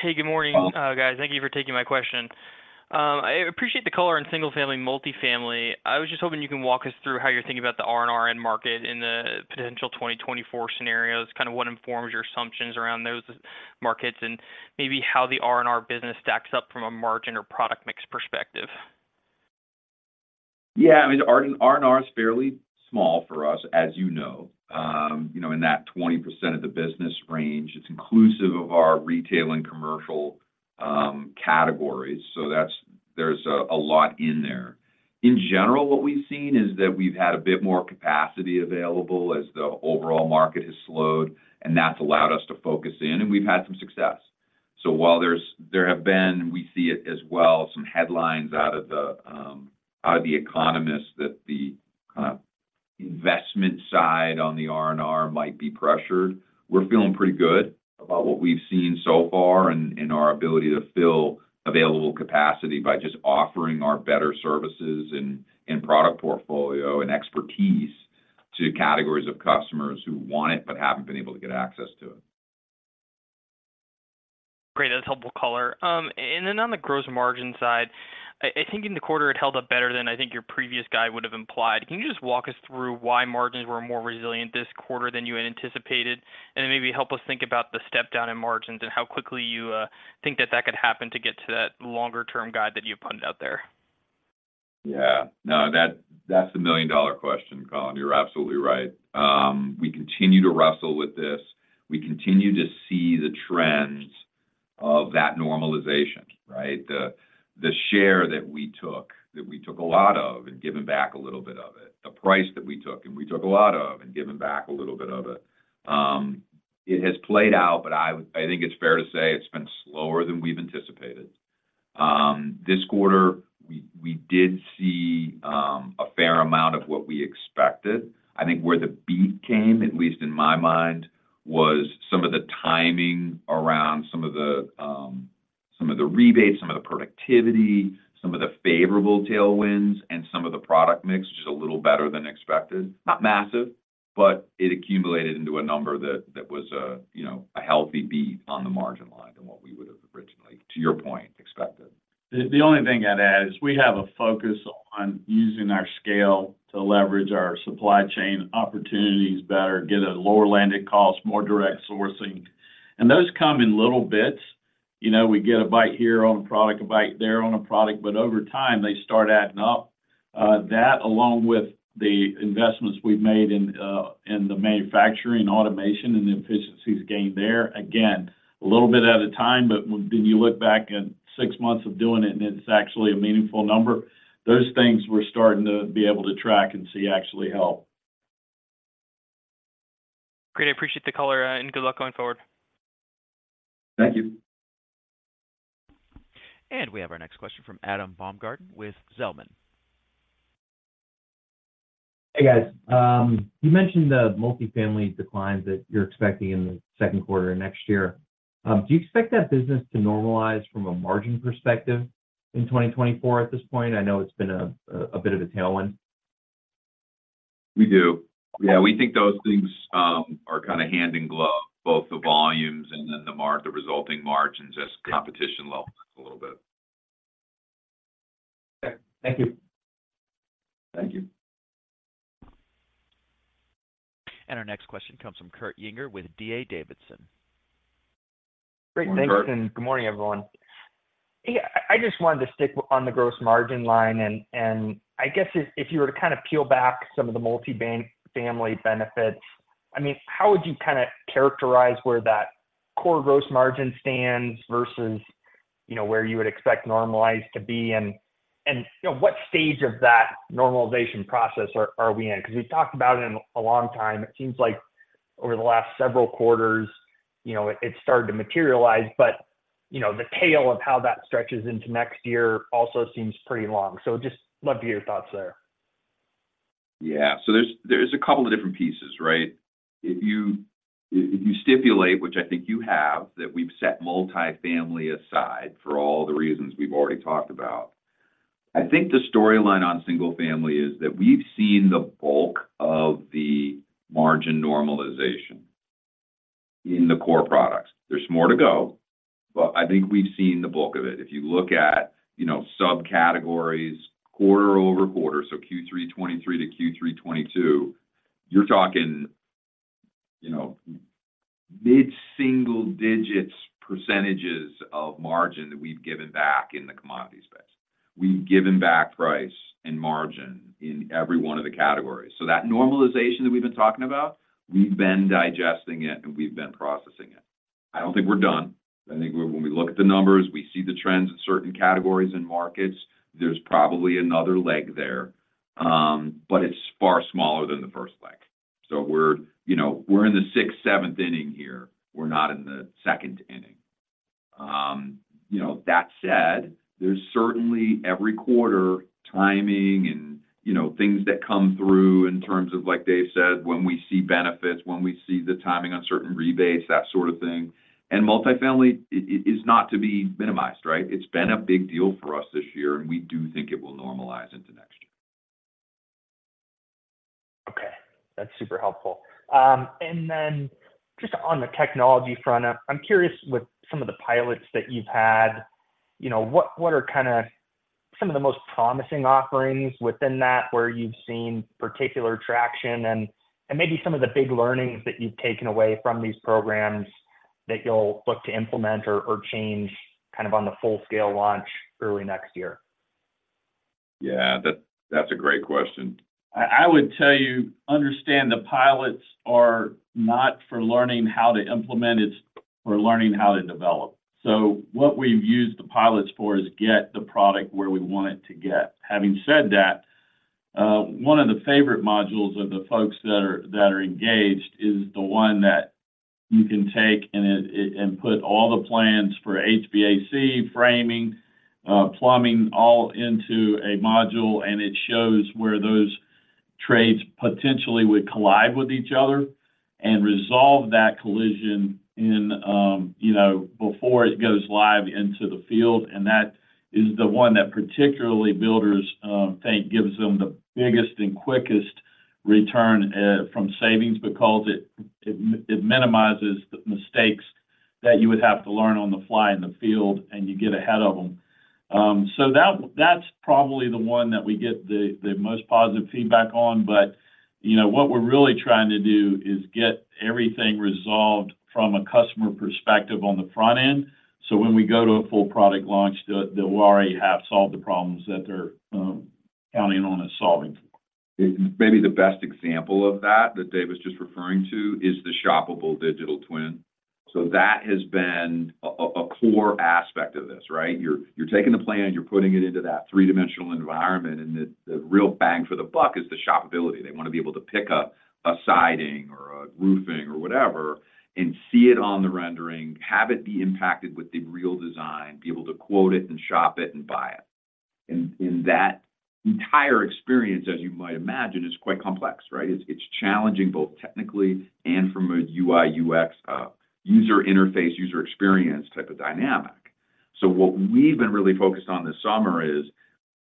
Hey, good morning, guys. Thank you for taking my question. I appreciate the color on single-family, multifamily. I was just hoping you can walk us through how you're thinking about the R&R end market in the potential 2024 scenarios, kind of what informs your assumptions around those markets, and maybe how the R&R business stacks up from a margin or product mix perspective. Yeah, I mean, R&R is fairly small for us, as you know. You know, in that 20% of the business range, it's inclusive of our retail and commercial categories, so that's. There's a lot in there. In general, what we've seen is that we've had a bit more capacity available as the overall market has slowed, and that's allowed us to focus in, and we've had some success. So while there have been, we see it as well, some headlines out of the economists, that the kind of investment side on the R&R might be pressured. We're feeling pretty good about what we've seen so far and our ability to fill available capacity by just offering our better services and product portfolio and expertise to categories of customers who want it but haven't been able to get access to it. Great, that's helpful color. And then on the gross margin side, I think in the quarter it held up better than I think your previous guide would have implied. Can you just walk us through why margins were more resilient this quarter than you had anticipated, and then maybe help us think about the step down in margins and how quickly you think that could happen to get to that longer-term guide that you've put out there? Yeah. No, that, that's the million-dollar question, Collin. You're absolutely right. We continue to wrestle with this. We continue to see the trends of that normalization, right? The share that we took, that we took a lot of and given back a little bit of it, the price that we took, and we took a lot of, and given back a little bit of it. It has played out, but I think it's fair to say it's been slower than we've anticipated. This quarter, we did see a fair amount of what we expected. I think where the beat came, at least in my mind, was some of the timing around some of the rebates, some of the productivity, some of the favorable tailwinds, and some of the product mix, which is a little better than expected. Not massive. But it accumulated into a number that was, you know, a healthy beat on the margin line than what we would have originally, to your point, expected. The only thing I'd add is we have a focus on using our scale to leverage our supply chain opportunities better, get a lower landing cost, more direct sourcing. Those come in little bits. You know, we get a bite here on a product, a bite there on a product, but over time, they start adding up. That along with the investments we've made in the manufacturing, automation, and the efficiencies gained there, again, a little bit at a time, but when you look back at six months of doing it, and it's actually a meaningful number. Those things we're starting to be able to track and see actually help. Great. I appreciate the color, and good luck going forward. Thank you. We have our next question from Adam Baumgarten with Zelman. Hey, guys. You mentioned the multifamily declines that you're expecting in the second quarter of next year. Do you expect that business to normalize from a margin perspective in 2024 at this point? I know it's been a bit of a tailwind. We do. Yeah, we think those things are kind of hand in glove, both the volumes and then the resulting margins as competition levels a little bit. Okay. Thank you. Thank you. Our next question comes from Kurt Yinger with D.A. Davidson. Great, thanks- Morning, Kurt. Good morning, everyone. Yeah, I, I just wanted to stick on the gross margin line, and, and I guess if, if you were to kind of peel back some of the multi-family benefits, I mean, how would you kinda characterize where that core gross margin stands versus, you know, where you would expect normalized to be? And, and, you know, what stage of that normalization process are, are we in? Because we've talked about it in a long time. It seems like over the last several quarters, you know, it's started to materialize, but, you know, the tail of how that stretches into next year also seems pretty long. So just love to hear your thoughts there. Yeah. So there's a couple of different pieces, right? If you stipulate, which I think you have, that we've set multifamily aside for all the reasons we've already talked about, I think the storyline on single-family is that we've seen the bulk of the margin normalization in the core products. There's more to go, but I think we've seen the bulk of it. If you look at, you know, subcategories, quarter-over-quarter, so Q3 2023 to Q3 2022, you're talking, you know, mid-single digits percentages of margin that we've given back in the commodity space. We've given back price and margin in every one of the categories. So that normalization that we've been talking about, we've been digesting it, and we've been processing it. I don't think we're done. I think when we look at the numbers, we see the trends in certain categories and markets, there's probably another leg there, but it's far smaller than the first leg. So we're, you know, we're in the sixth, seventh inning here. We're not in the second inning. You know, that said, there's certainly every quarter, timing and, you know, things that come through in terms of, like Dave said, when we see benefits, when we see the timing on certain rebates, that sort of thing. And multifamily, it is not to be minimized, right? It's been a big deal for us this year, and we do think it will normalize into next year. Okay, that's super helpful. And then just on the technology front, I'm curious with some of the pilots that you've had, you know, what, what are kinda some of the most promising offerings within that, where you've seen particular traction and, and maybe some of the big learnings that you've taken away from these programs that you'll look to implement or, or change kind of on the full-scale launch early next year? Yeah, that's a great question. I would tell you. Understand the pilots are not for learning how to implement it, but learning how to develop. So what we've used the pilots for is get the product where we want it to get. Having said that, one of the favorite modules of the folks that are engaged is the one that you can take and put all the plans for HVAC, framing, plumbing, all into a module, and it shows where those trades potentially would collide with each other and resolve that collision, you know, before it goes live into the field, and that is the one that particularly builders think gives them the biggest and quickest return from savings because it minimizes the mistakes that you would have to learn on the fly in the field, and you get ahead of them. So that, that's probably the one that we get the most positive feedback on, but, you know, what we're really trying to do is get everything resolved from a customer perspective on the front end. So when we go to a full product launch, that we'll already have solved the problems that they're counting on us solving. Maybe the best example of that Dave was just referring to is the shoppable digital twin. So that has been a core aspect of this, right? You're taking the plan, you're putting it into that three-dimensional environment, and the real bang for the buck is the shoppability. They want to be able to pick up a siding or a roofing or whatever and see it on the rendering, have it be impacted with the real design, be able to quote it and shop it and buy it. And that entire experience, as you might imagine, is quite complex, right? It's challenging, both technically and from a UI/UX, user interface, user experience type of dynamic. So what we've been really focused on this summer is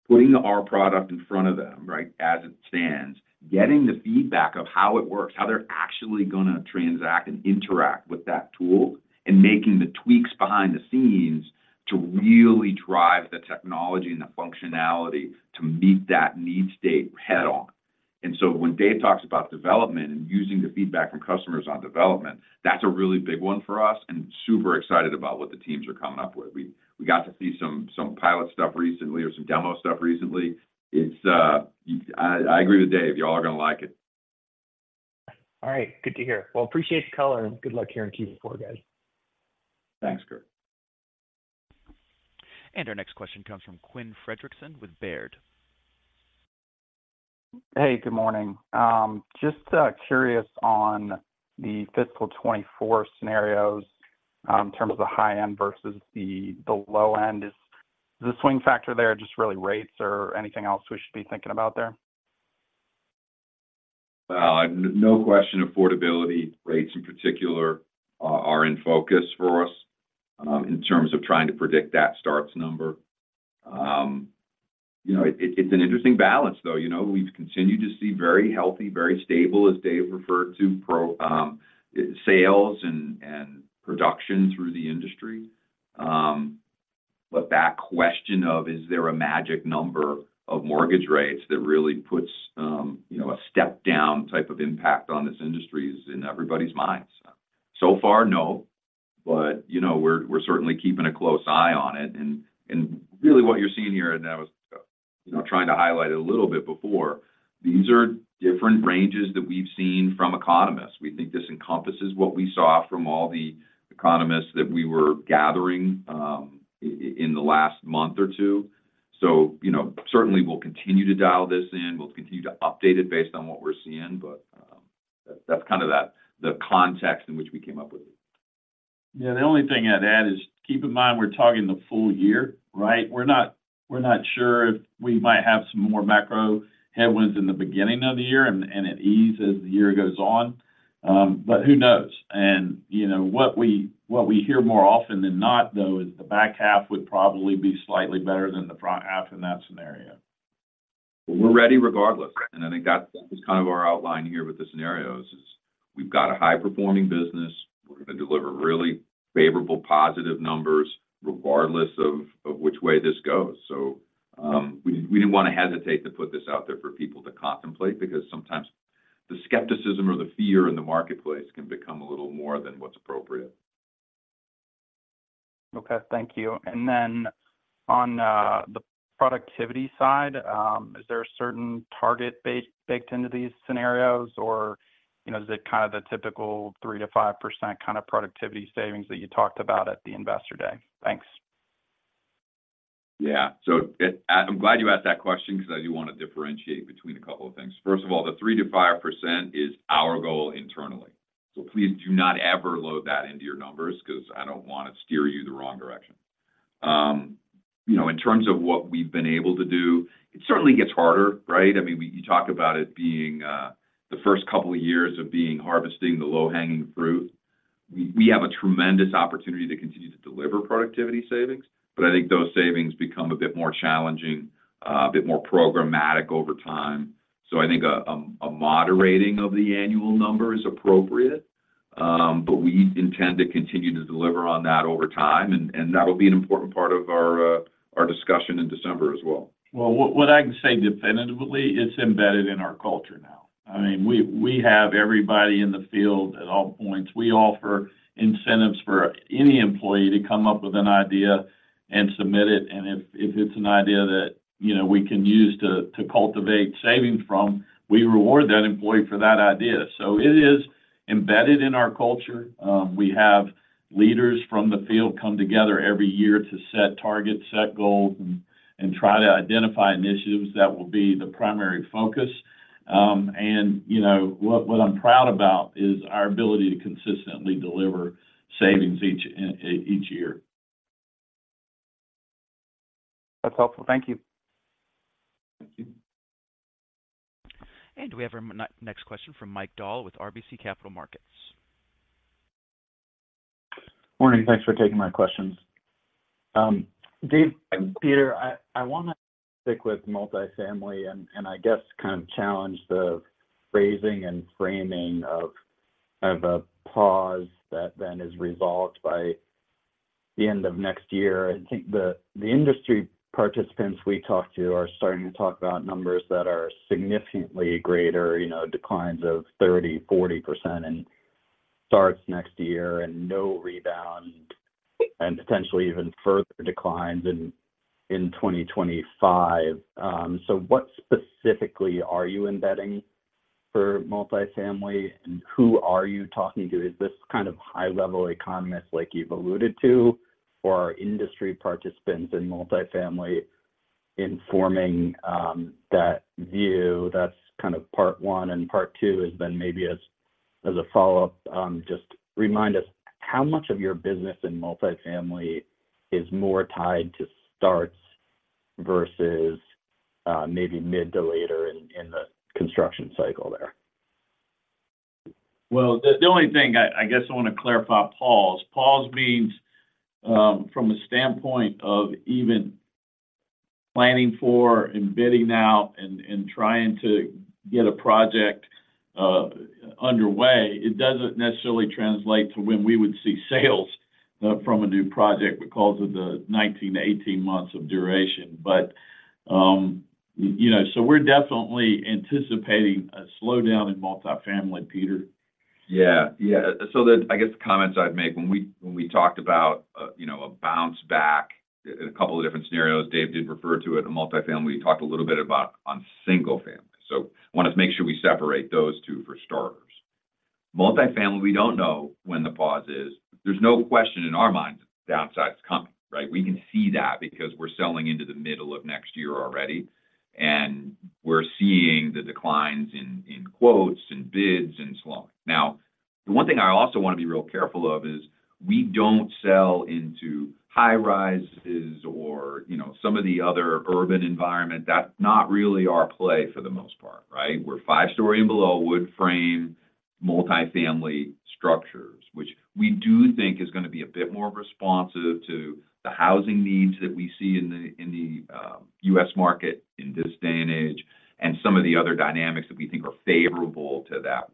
putting our product in front of them, right, as it stands, getting the feedback of how it works, how they're actually going to transact and interact with that tool, and making the tweaks behind the scenes to really drive the technology and the functionality to meet that need state head-on. And so when Dave talks about development and using the feedback from customers on development, that's a really big one for us, and super excited about what the teams are coming up with. We got to see some pilot stuff recently or some demo stuff recently. It's, I agree with Dave. Y'all are going to like it. All right. Good to hear. Well, appreciate the color, and good luck here in Q4, guys. Thanks, Kurt. Our next question comes from Quinn Fredrickson with Baird. Hey, good morning. Just curious on the fiscal 2024 scenarios, in terms of the high end versus the low end. Is the swing factor there just really rates or anything else we should be thinking about there? Well, no question, affordability rates in particular are in focus for us in terms of trying to predict that starts number. You know, it, it's an interesting balance, though. You know, we've continued to see very healthy, very stable, as Dave referred to, pro sales and production through the industry. But that question of, is there a magic number of mortgage rates that really puts, you know, a step-down type of impact on this industry is in everybody's minds. So far, no, but, you know, we're certainly keeping a close eye on it. And really what you're seeing here, and I was, you know, trying to highlight it a little bit before, these are different ranges that we've seen from economists. We think this encompasses what we saw from all the economists that we were gathering in the last month or two. So, you know, certainly, we'll continue to dial this in. We'll continue to update it based on what we're seeing, but that's kind of the context in which we came up with it. Yeah, the only thing I'd add is keep in mind we're talking the full year, right? We're not sure if we might have some more macro headwinds in the beginning of the year and it ease as the year goes on. But who knows? You know, what we hear more often than not, though, is the back half would probably be slightly better than the front half in that scenario. Well, we're ready regardless, and I think that is kind of our outline here with the scenarios is we've got a high-performing business. We're going to deliver really favorable, positive numbers, regardless of which way this goes. So, we didn't want to hesitate to put this out there for people to contemplate because sometimes the skepticism or the fear in the marketplace can become a little more than what's appropriate. Okay. Thank you. And then on the productivity side, is there a certain target base baked into these scenarios? Or, you know, is it kind of the typical 3%-5% kind of productivity savings that you talked about at the Investor Day? Thanks. Yeah. So I'm glad you asked that question because I do want to differentiate between a couple of things. First of all, the 3%-5% is our goal internally, so please do not ever load that into your numbers because I don't want to steer you the wrong direction. You know, in terms of what we've been able to do, it certainly gets harder, right? I mean, you talk about it being the first couple of years of being harvesting the low-hanging fruit. We have a tremendous opportunity to continue to deliver productivity savings, but I think those savings become a bit more challenging, a bit more programmatic over time. So I think a moderating of the annual number is appropriate, but we intend to continue to deliver on that over time, and that'll be an important part of our discussion in December as well. Well, what I can say definitively, it's embedded in our culture now. I mean, we have everybody in the field at all points. We offer incentives for any employee to come up with an idea and submit it, and if it's an idea that, you know, we can use to cultivate savings from, we reward that employee for that idea. So it is embedded in our culture. We have leaders from the field come together every year to set targets, set goals, and try to identify initiatives that will be the primary focus. And, you know, what I'm proud about is our ability to consistently deliver savings each year. That's helpful. Thank you. Thank you. We have our next question from Mike Dahl with RBC Capital Markets. Morning. Thanks for taking my questions. Dave, Peter, I want to stick with multifamily and I guess kind of challenge the phrasing and framing of a pause that then is resolved by the end of next year. I think the industry participants we talk to are starting to talk about numbers that are significantly greater, you know, declines of 30%-40% and starts next year and no rebound and potentially even further declines in 2025. So what specifically are you embedding for multifamily, and who are you talking to? Is this kind of high-level economists like you've alluded to, or are industry participants in multifamily informing that view? That's kind of part one, and part two is then maybe as, as a follow-up, just remind us how much of your business in multifamily is more tied to starts versus, maybe mid to later in, the construction cycle there? Well, the only thing I guess I want to clarify. Pause means from a standpoint of even planning for and bidding out and trying to get a project underway, it doesn't necessarily translate to when we would see sales from a new project because of the 19 to 18-month duration. But you know, so we're definitely anticipating a slowdown in multifamily, Peter. Yeah. Yeah. So the, I guess, the comments I'd make when we, when we talked about a, you know, a bounce back in a couple of different scenarios, Dave did refer to it, a multifamily. We talked a little bit about on single-family, so I want to make sure we separate those two for starters. Multifamily, we don't know when the pause is. There's no question in our minds the downside's coming, right? We can see that because we're selling into the middle of next year already, and we're seeing the declines in, in quotes and bids, and so on. Now, the one thing I also want to be real careful of is we don't sell into high-rises or, you know, some of the other urban environment. That's not really our play for the most part, right? We're five story and below, wood frame, multifamily structures, which we do think is going to be a bit more responsive to the housing needs that we see in the U.S. market in this day and age, and some of the other dynamics that we think are favorable to that.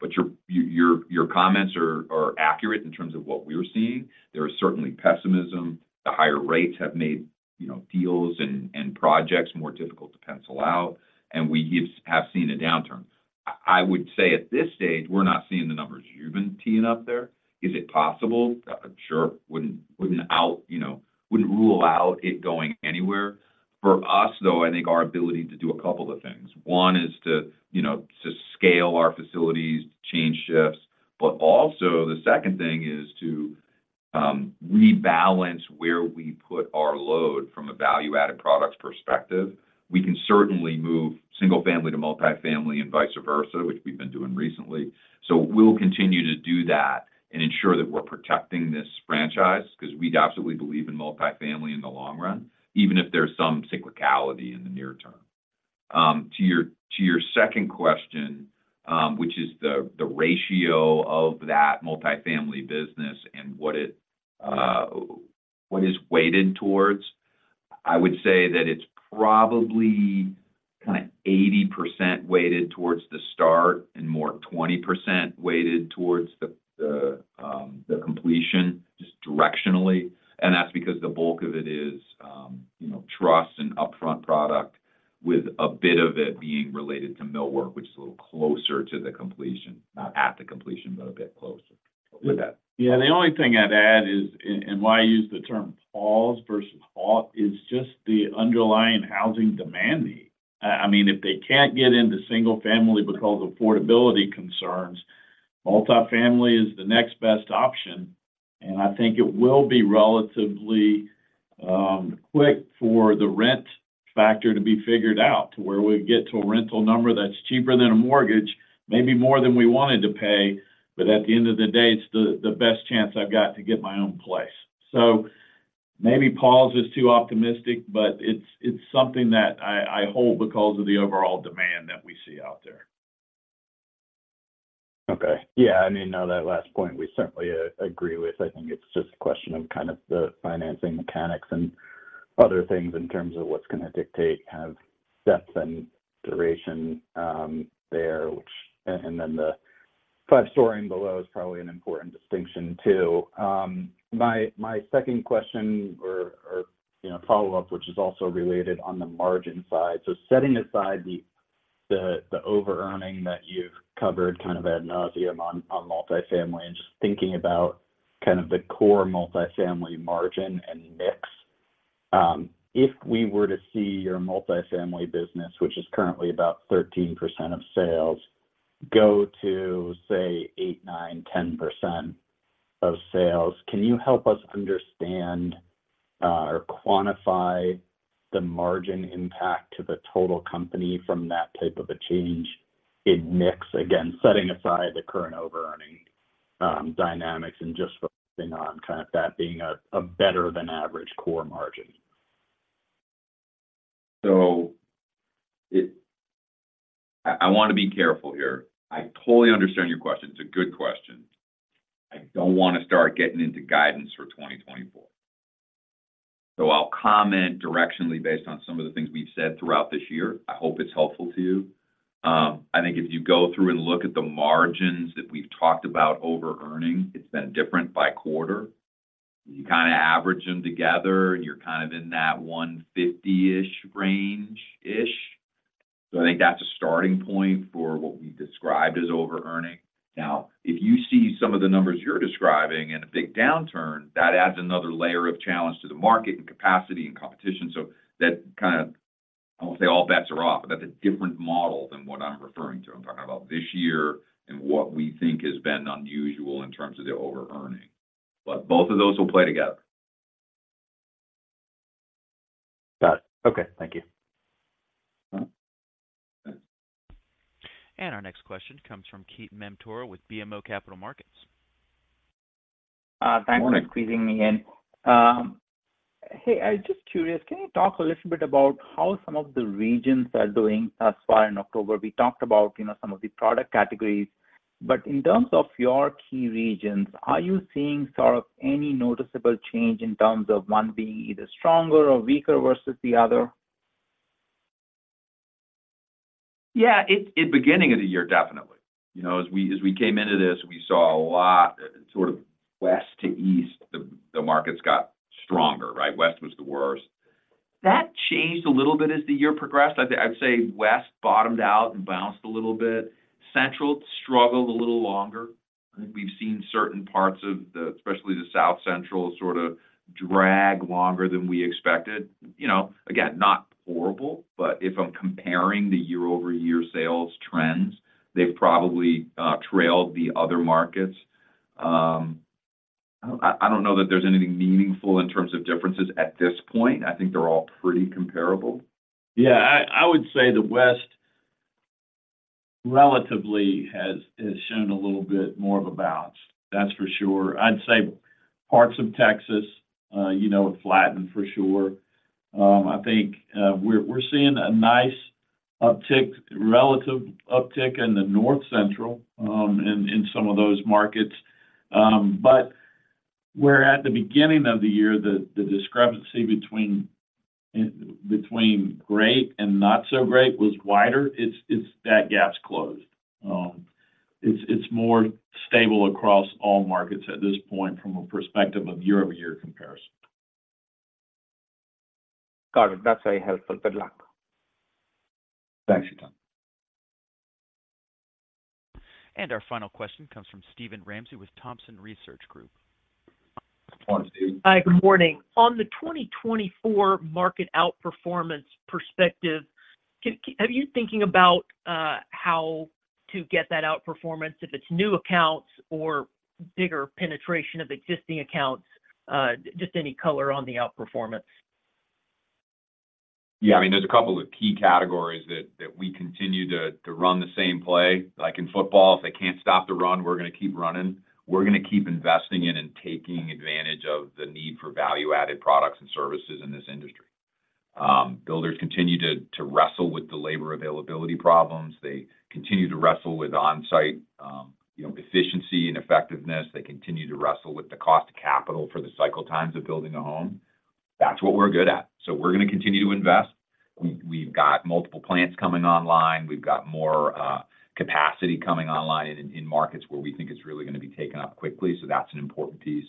But your comments are accurate in terms of what we're seeing. There is certainly pessimism. The higher rates have made, you know, deals and projects more difficult to pencil out, and we have seen a downturn. I would say at this stage, we're not seeing the numbers you've been teeing up there. Is it possible? Sure. You know, wouldn't rule out it going anywhere. For us, though, I think our ability to do a couple of things. One is to, you know, to scale our facilities, to change shifts, but also the second thing is to rebalance where we put our load from a value-added products perspective. We can certainly move single-family to multifamily and vice versa, which we've been doing recently. So we'll continue to do that and ensure that we're protecting this franchise, because we absolutely believe in multifamily in the long run, even if there's some cyclicality in the near-term. To your, to your second question, which is the, the ratio of that multifamily business and what it, what is weighted towards, I would say that it's probably kind of 80% weighted towards the start and more 20% weighted towards the, the completion, just directionally. And that's because the bulk of it is, you know, truss and upfront product, with a bit of it being related to millwork, which is a little closer to the completion, not at the completion, but a bit closer with that. Yeah, the only thing I'd add is why I use the term pause versus halt is just the underlying housing demand need. I mean, if they can't get into single-family because affordability concerns, multifamily is the next best option, and I think it will be relatively quick for the rent factor to be figured out to where we get to a rental number that's cheaper than a mortgage, maybe more than we wanted to pay, but at the end of the day, it's the best chance I've got to get my own place. So maybe pause is too optimistic, but it's something that I hold because of the overall demand that we see out there. Okay. Yeah. I mean, no, that last point we certainly agree with. I think it's just a question of kind of the financing mechanics and other things in terms of what's going to dictate kind of depth and duration there. And then the five-story and below is probably an important distinction, too. My second question or you know follow-up, which is also related on the margin side. So setting aside the overearning that you've covered kind of ad nauseam on multifamily, and just thinking about the core multifamily margin and mix, if we were to see your multifamily business, which is currently about 13% of sales, go to, say, 8%, 9%, 10% of sales, can you help us understand or quantify the margin impact to the total company from that type of a change in mix? Again, setting aside the current overearning dynamics and just focusing on that being a better than average core margin. So, I want to be careful here. I totally understand your question. It's a good question. I don't want to start getting into guidance for 2024. So I'll comment directionally based on some of the things we've said throughout this year. I hope it's helpful to you. I think if you go through and look at the margins that we've talked about overearning, it's been different by quarter. You kind of average them together, and you're kind of in that 150-ish range-ish. So I think that's a starting point for what we described as overearning. Now, if you see some of the numbers you're describing and a big downturn, that adds another layer of challenge to the market and capacity and competition. So that kind of, I won't say all bets are off, but that's a different model than what I'm referring to. I'm talking about this year and what we think has been unusual in terms of the overearning, but both of those will play together. Got it. Okay, thank you. All right. Our next question comes from Ketan Mamtora with BMO Capital Markets. Thanks for squeezing me in. Hey, I was just curious, can you talk a little bit about how some of the regions are doing thus far in October? We talked about, you know, some of the product categories, but in terms of your key regions, are you seeing sort of any noticeable change in terms of one being either stronger or weaker versus the other? Yeah, it at beginning of the year, definitely. You know, as we came into this, we saw a lot, sort of west to east, the markets got stronger, right? West was the worst. That changed a little bit as the year progressed. I'd say West bottomed out and bounced a little bit. Central struggled a little longer. I think we've seen certain parts of the, especially the South Central, sort of drag longer than we expected. You know, again, not horrible, but if I'm comparing the year-over-year sales trends, they've probably trailed the other markets. I don't know that there's anything meaningful in terms of differences at this point. I think they're all pretty comparable. Yeah, I would say the West relatively has shown a little bit more of a bounce, that's for sure. I'd say parts of Texas, you know, have flattened for sure. I think we're seeing a nice uptick, relative uptick in the North Central, in some of those markets. But where at the beginning of the year, the discrepancy between great and not so great was wider, it's... That gap's closed. It's more stable across all markets at this point from a perspective of year-over-year comparison. Got it. That's very helpful. Good luck. Thanks, Ketan. Our final question comes from Steven Ramsey with Thompson Research Group. Morning, Steve. Hi, good morning. On the 2024 market outperformance perspective, are you thinking about how to get that outperformance, if it's new accounts or bigger penetration of existing accounts? Just any color on the outperformance. Yeah, I mean, there's a couple of key categories that we continue to run the same play. Like in football, if they can't stop the run, we're going to keep running. We're going to keep investing in and taking advantage of the need for value-added products and services in this industry. Builders continue to wrestle with the labor availability problems. They continue to wrestle with on-site, you know, efficiency and effectiveness. They continue to wrestle with the cost of capital for the cycle times of building a home. That's what we're good at, so we're going to continue to invest. We've got multiple plants coming online. We've got more capacity coming online in markets where we think it's really going to be taken up quickly, so that's an important piece.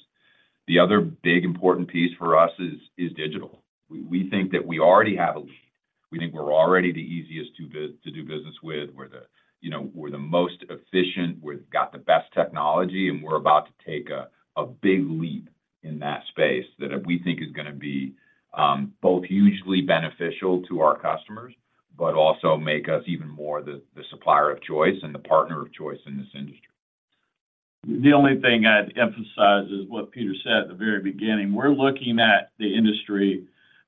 The other big important piece for us is digital. We think that we already have a lead. We think we're already the easiest to do business with. We're the, you know, we're the most efficient, we've got the best technology, and we're about to take a big leap in that space that we think is going to be both hugely beneficial to our customers, but also make us even more the supplier of choice and the partner of choice in this industry. The only thing I'd emphasize is what Peter said at the very beginning. We're looking at the industry.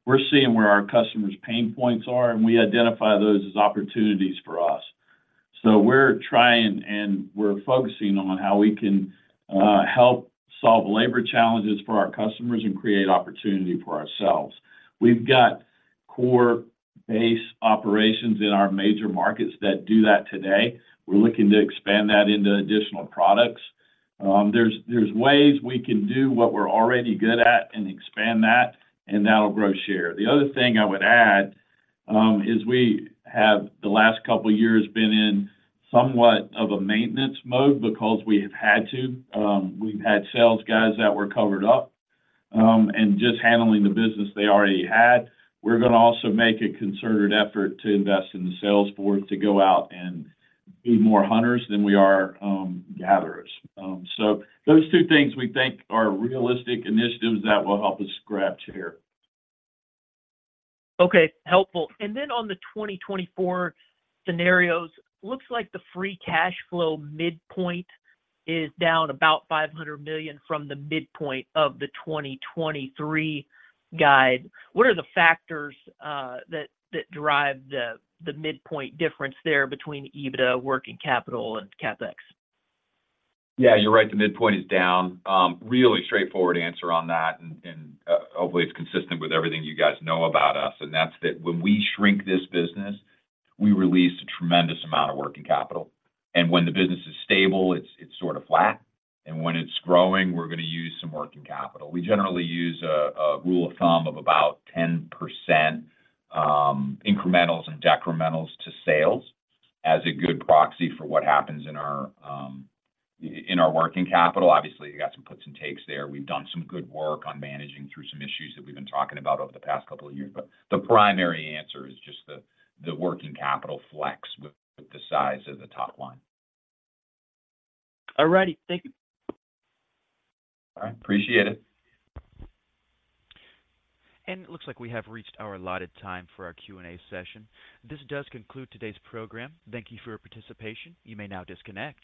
We're seeing where our customers' pain points are, and we identify those as opportunities for us. So we're trying, and we're focusing on how we can help solve labor challenges for our customers and create opportunity for ourselves. We've got core base operations in our major markets that do that today. We're looking to expand that into additional products. There's ways we can do what we're already good at and expand that, and that'll grow share. The other thing I would add is we have, the last couple of years, been in somewhat of a maintenance mode because we have had to. We've had sales guys that were covered up, and just handling the business they already had. We're going to also make a concerted effort to invest in the sales force to go out and be more hunters than we are, gatherers. So those two things we think are realistic initiatives that will help us grab share. Okay, helpful. And then on the 2024 scenarios, looks like the free cash flow midpoint is down about $500 million from the midpoint of the 2023 guide. What are the factors that drive the midpoint difference there between EBITDA, working capital, and CapEx? Yeah, you're right, the midpoint is down. Really straightforward answer on that, and hopefully, it's consistent with everything you guys know about us, and that's that when we shrink this business, we release a tremendous amount of working capital, and when the business is stable, it's sort of flat, and when it's growing, we're going to use some working capital. We generally use a rule of thumb of about 10% incrementals and decrementals to sales as a good proxy for what happens in our working capital. Obviously, you got some puts and takes there. We've done some good work on managing through some issues that we've been talking about over the past couple of years, but the primary answer is just the working capital flex with the size of the top line. All righty, thank you. All right. Appreciate it. It looks like we have reached our allotted time for our Q&A session. This does conclude today's program. Thank you for your participation. You may now disconnect.